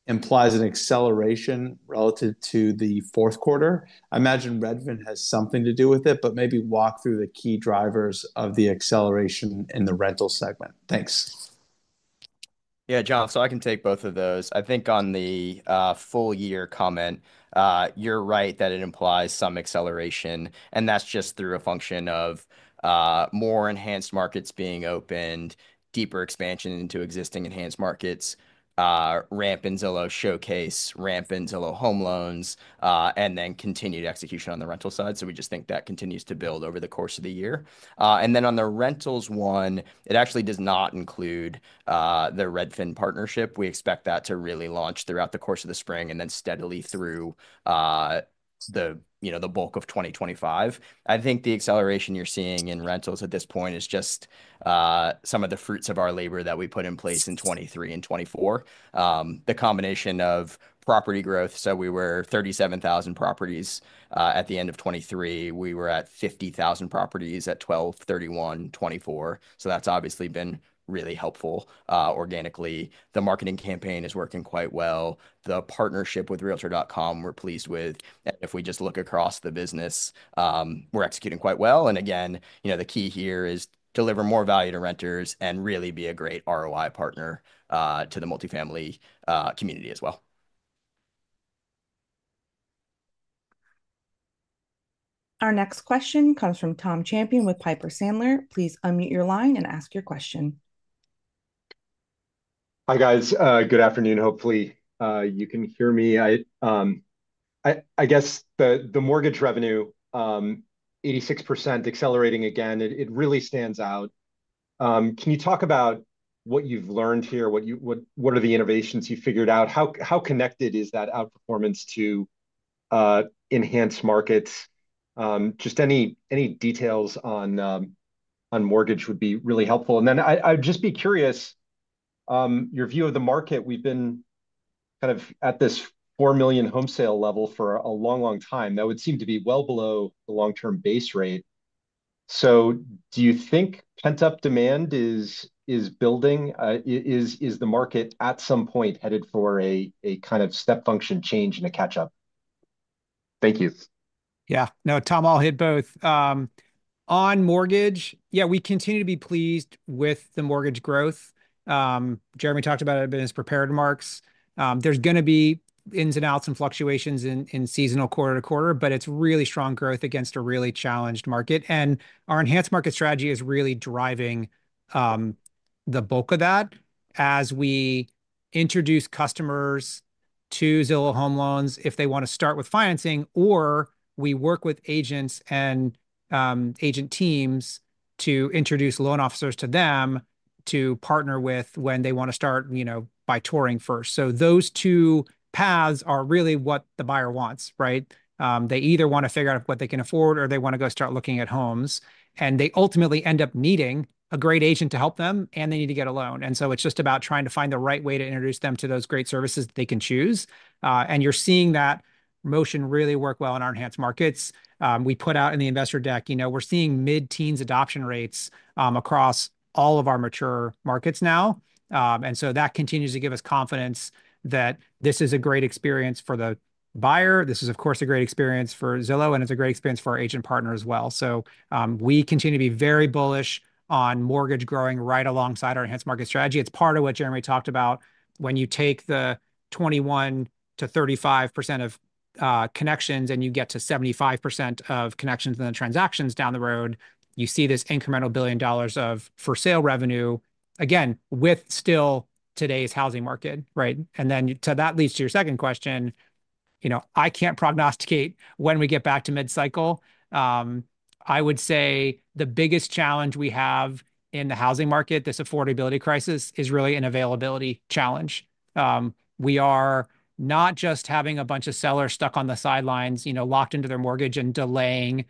implies an acceleration relative to the fourth quarter. I imagine Redfin has something to do with it, but maybe walk through the key drivers of the acceleration in the rental segment. Thanks. Yeah, John, so I can take both of those. I think on the full year comment, you're right that it implies some acceleration. And that's just through a function of more Enhanced Markets being opened, deeper expansion into existing Enhanced Markets, ramp in Zillow Showcase, ramp in Zillow Home Loans, and then continued execution on the rental side. So we just think that continues to build over the course of the year. And then on the rentals one, it actually does not include the Redfin partnership. We expect that to really launch throughout the course of the spring and then steadily through the, you know, the bulk of 2025. I think the acceleration you're seeing in rentals at this point is just some of the fruits of our labor that we put in place in 2023 and 2024. The combination of property growth. So we were 37,000 properties at the end of 2023. We were at 50,000 properties at December 31, 2024. So that's obviously been really helpful organically. The marketing campaign is working quite well. The partnership with Realtor.com we're pleased with. And if we just look across the business, we're executing quite well. And again, you know, the key here is deliver more value to renters and really be a great ROI partner to the multifamily community as well. Our next question comes from Tom Champion with Piper Sandler. Please unmute your line and ask your question. Hi guys. Good afternoon. Hopefully you can hear me. I guess the mortgage revenue, 86% accelerating again, it really stands out. Can you talk about what you've learned here? What are the innovations you figured out? How connected is that outperformance to Enhanced Markets? Just any details on mortgage would be really helpful. And then I'd just be curious your view of the market. We've been kind of at this 4 million home sale level for a long, long time. That would seem to be well below the long-term base rate. So do you think pent-up demand is building? Is the market at some point headed for a kind of step function change and a catch-up? Thank you. Yeah, no, Tom, I'll hit both. On mortgage, yeah, we continue to be pleased with the mortgage growth. Jeremy talked about it in his prepared remarks. There's going to be ins and outs and fluctuations in seasonal quarter to quarter, but it's really strong growth against a really challenged market. And our Enhanced Markets strategy is really driving the bulk of that as we introduce customers to Zillow Home Loans if they want to start with financing, or we work with agents and agent teams to introduce loan officers to them to partner with when they want to start, you know, by touring first. So those two paths are really what the buyer wants, right? They either want to figure out what they can afford or they want to go start looking at homes. And they ultimately end up needing a great agent to help them, and they need to get a loan. And so it's just about trying to find the right way to introduce them to those great services that they can choose. And you're seeing that motion really work well in our Enhanced Markets. We put out in the investor deck, you know, we're seeing mid-teens adoption rates across all of our mature markets now. And so that continues to give us confidence that this is a great experience for the buyer. This is, of course, a great experience for Zillow, and it's a great experience for our agent partner as well. So we continue to be very bullish on mortgage growing right alongside our Enhanced Market strategy. It's part of what Jeremy talked about. When you take the 21%-35% of connections and you get to 75% of connections and the transactions down the road, you see this incremental $1 billion of for sale revenue, again, with still today's housing market, right? And then to that leads to your second question, you know. I can't prognosticate when we get back to mid-cycle. I would say the biggest challenge we have in the housing market, this affordability crisis, is really an availability challenge. We are not just having a bunch of sellers stuck on the sidelines, you know, locked into their mortgage and delaying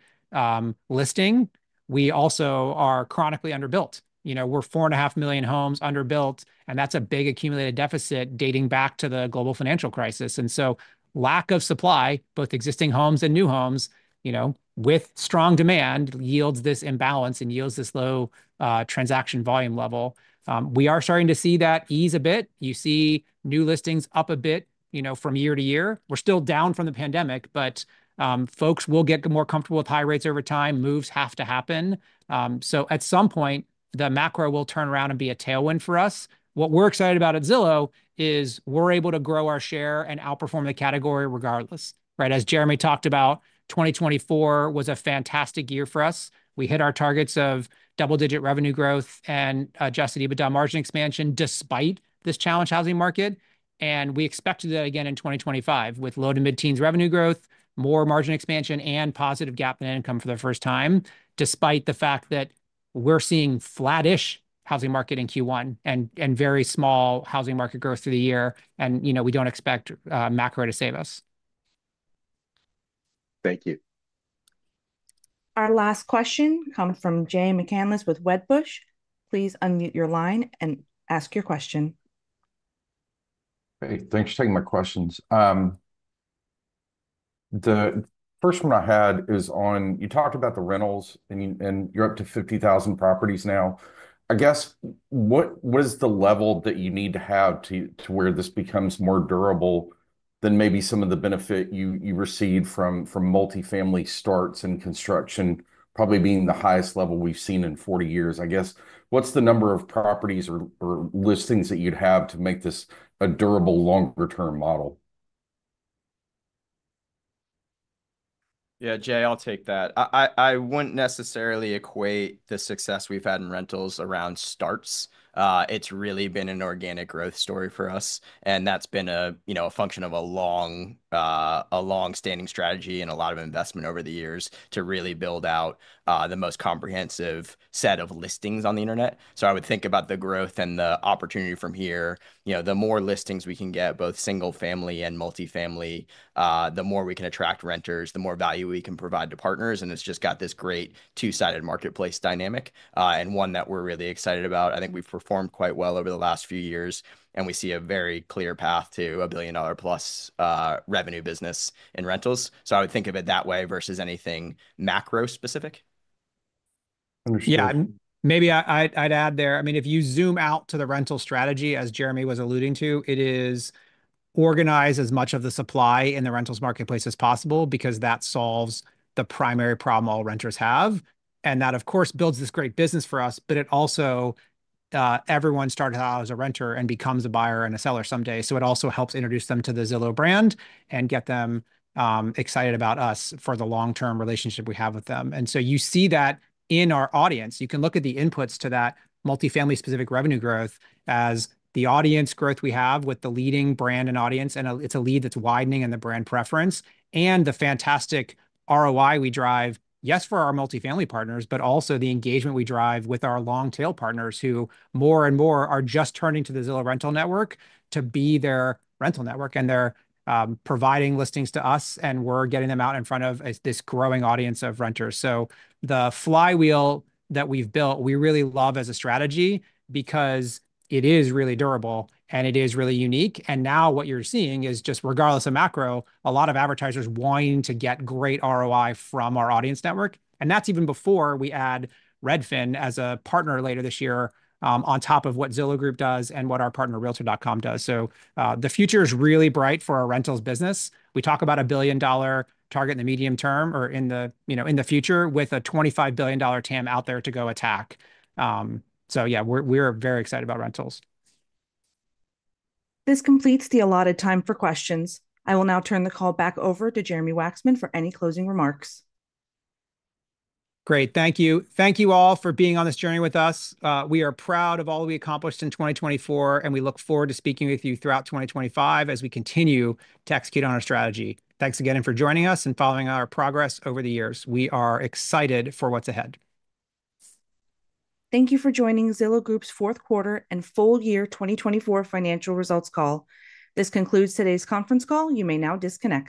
listing. We also are chronically underbuilt. You know, we're 4.5 million homes underbuilt, and that's a big accumulated deficit dating back to the global financial crisis. So lack of supply, both existing homes and new homes, you know, with strong demand yields this imbalance and yields this low transaction volume level. We are starting to see that ease a bit. You see new listings up a bit, you know, from year to year. We're still down from the pandemic, but folks will get more comfortable with high rates over time. Moves have to happen. So at some point, the macro will turn around and be a tailwind for us. What we're excited about at Zillow is we're able to grow our share and outperform the category regardless, right? As Jeremy talked about, 2024 was a fantastic year for us. We hit our targets of double-digit revenue growth and Adjusted EBITDA margin expansion despite this challenging housing market. We expected that again in 2025 with low- to mid-teens revenue growth, more margin expansion, and positive GAAP income for the first time, despite the fact that we're seeing flattish housing market in Q1 and very small housing market growth through the year. You know, we don't expect macro to save us. Thank you. Our last question comes from Jay McCanless with Wedbush. Please unmute your line and ask your question. Hey, thanks for taking my questions. The first one I had is on. You talked about the rentals and you're up to 50,000 properties now. I guess what is the level that you need to have to where this becomes more durable than maybe some of the benefit you received from multifamily starts and construction, probably being the highest level we've seen in 40 years? I guess what's the number of properties or listings that you'd have to make this a durable longer-term model? Yeah, Jay, I'll take that. I wouldn't necessarily equate the success we've had in rentals around starts. It's really been an organic growth story for us. And that's been a, you know, a function of a long-standing strategy and a lot of investment over the years to really build out the most comprehensive set of listings on the internet. So I would think about the growth and the opportunity from here. You know, the more listings we can get, both single-family and multifamily, the more we can attract renters, the more value we can provide to partners. And it's just got this great two-sided marketplace dynamic and one that we're really excited about. I think we've performed quite well over the last few years. We see a very clear path to a billion-dollar-plus revenue business in rentals. I would think of it that way versus anything macro-specific. Yeah, maybe I'd add there. I mean, if you zoom out to the rental strategy, as Jeremy was alluding to, it is organize as much of the supply in the rentals marketplace as possible because that solves the primary problem all renters have. And that, of course, builds this great business for us, but it also, everyone started out as a renter and becomes a buyer and a seller someday. It also helps introduce them to the Zillow brand and get them excited about us for the long-term relationship we have with them. You see that in our audience. You can look at the inputs to that multifamily-specific revenue growth as the audience growth we have with the leading brand and audience. And it's a lead that's widening in the brand preference and the fantastic ROI we drive, yes, for our multifamily partners, but also the engagement we drive with our long-tail partners who more and more are just turning to the Zillow Rental Network to be their rental network and they're providing listings to us and we're getting them out in front of this growing audience of renters. So the flywheel that we've built, we really love as a strategy because it is really durable and it is really unique. And now what you're seeing is just regardless of macro, a lot of advertisers wanting to get great ROI from our audience network. And that's even before we add Redfin as a partner later this year on top of what Zillow Group does and what our partner Realtor.com does. So the future is really bright for our rentals business. We talk about a billion-dollar target in the medium term or in the, you know, in the future with a $25 billion TAM out there to go attack. So yeah, we're very excited about rentals. This completes the allotted time for questions. I will now turn the call back over to Jeremy Wacksman for any closing remarks. Great. Thank you. Thank you all for being on this journey with us. We are proud of all we accomplished in 2024, and we look forward to speaking with you throughout 2025 as we continue to execute on our strategy. Thanks again for joining us and following our progress over the years. We are excited for what's ahead. Thank you for joining Zillow Group's fourth quarter and full year 2024 financial results call. This concludes today's conference call. You may now disconnect.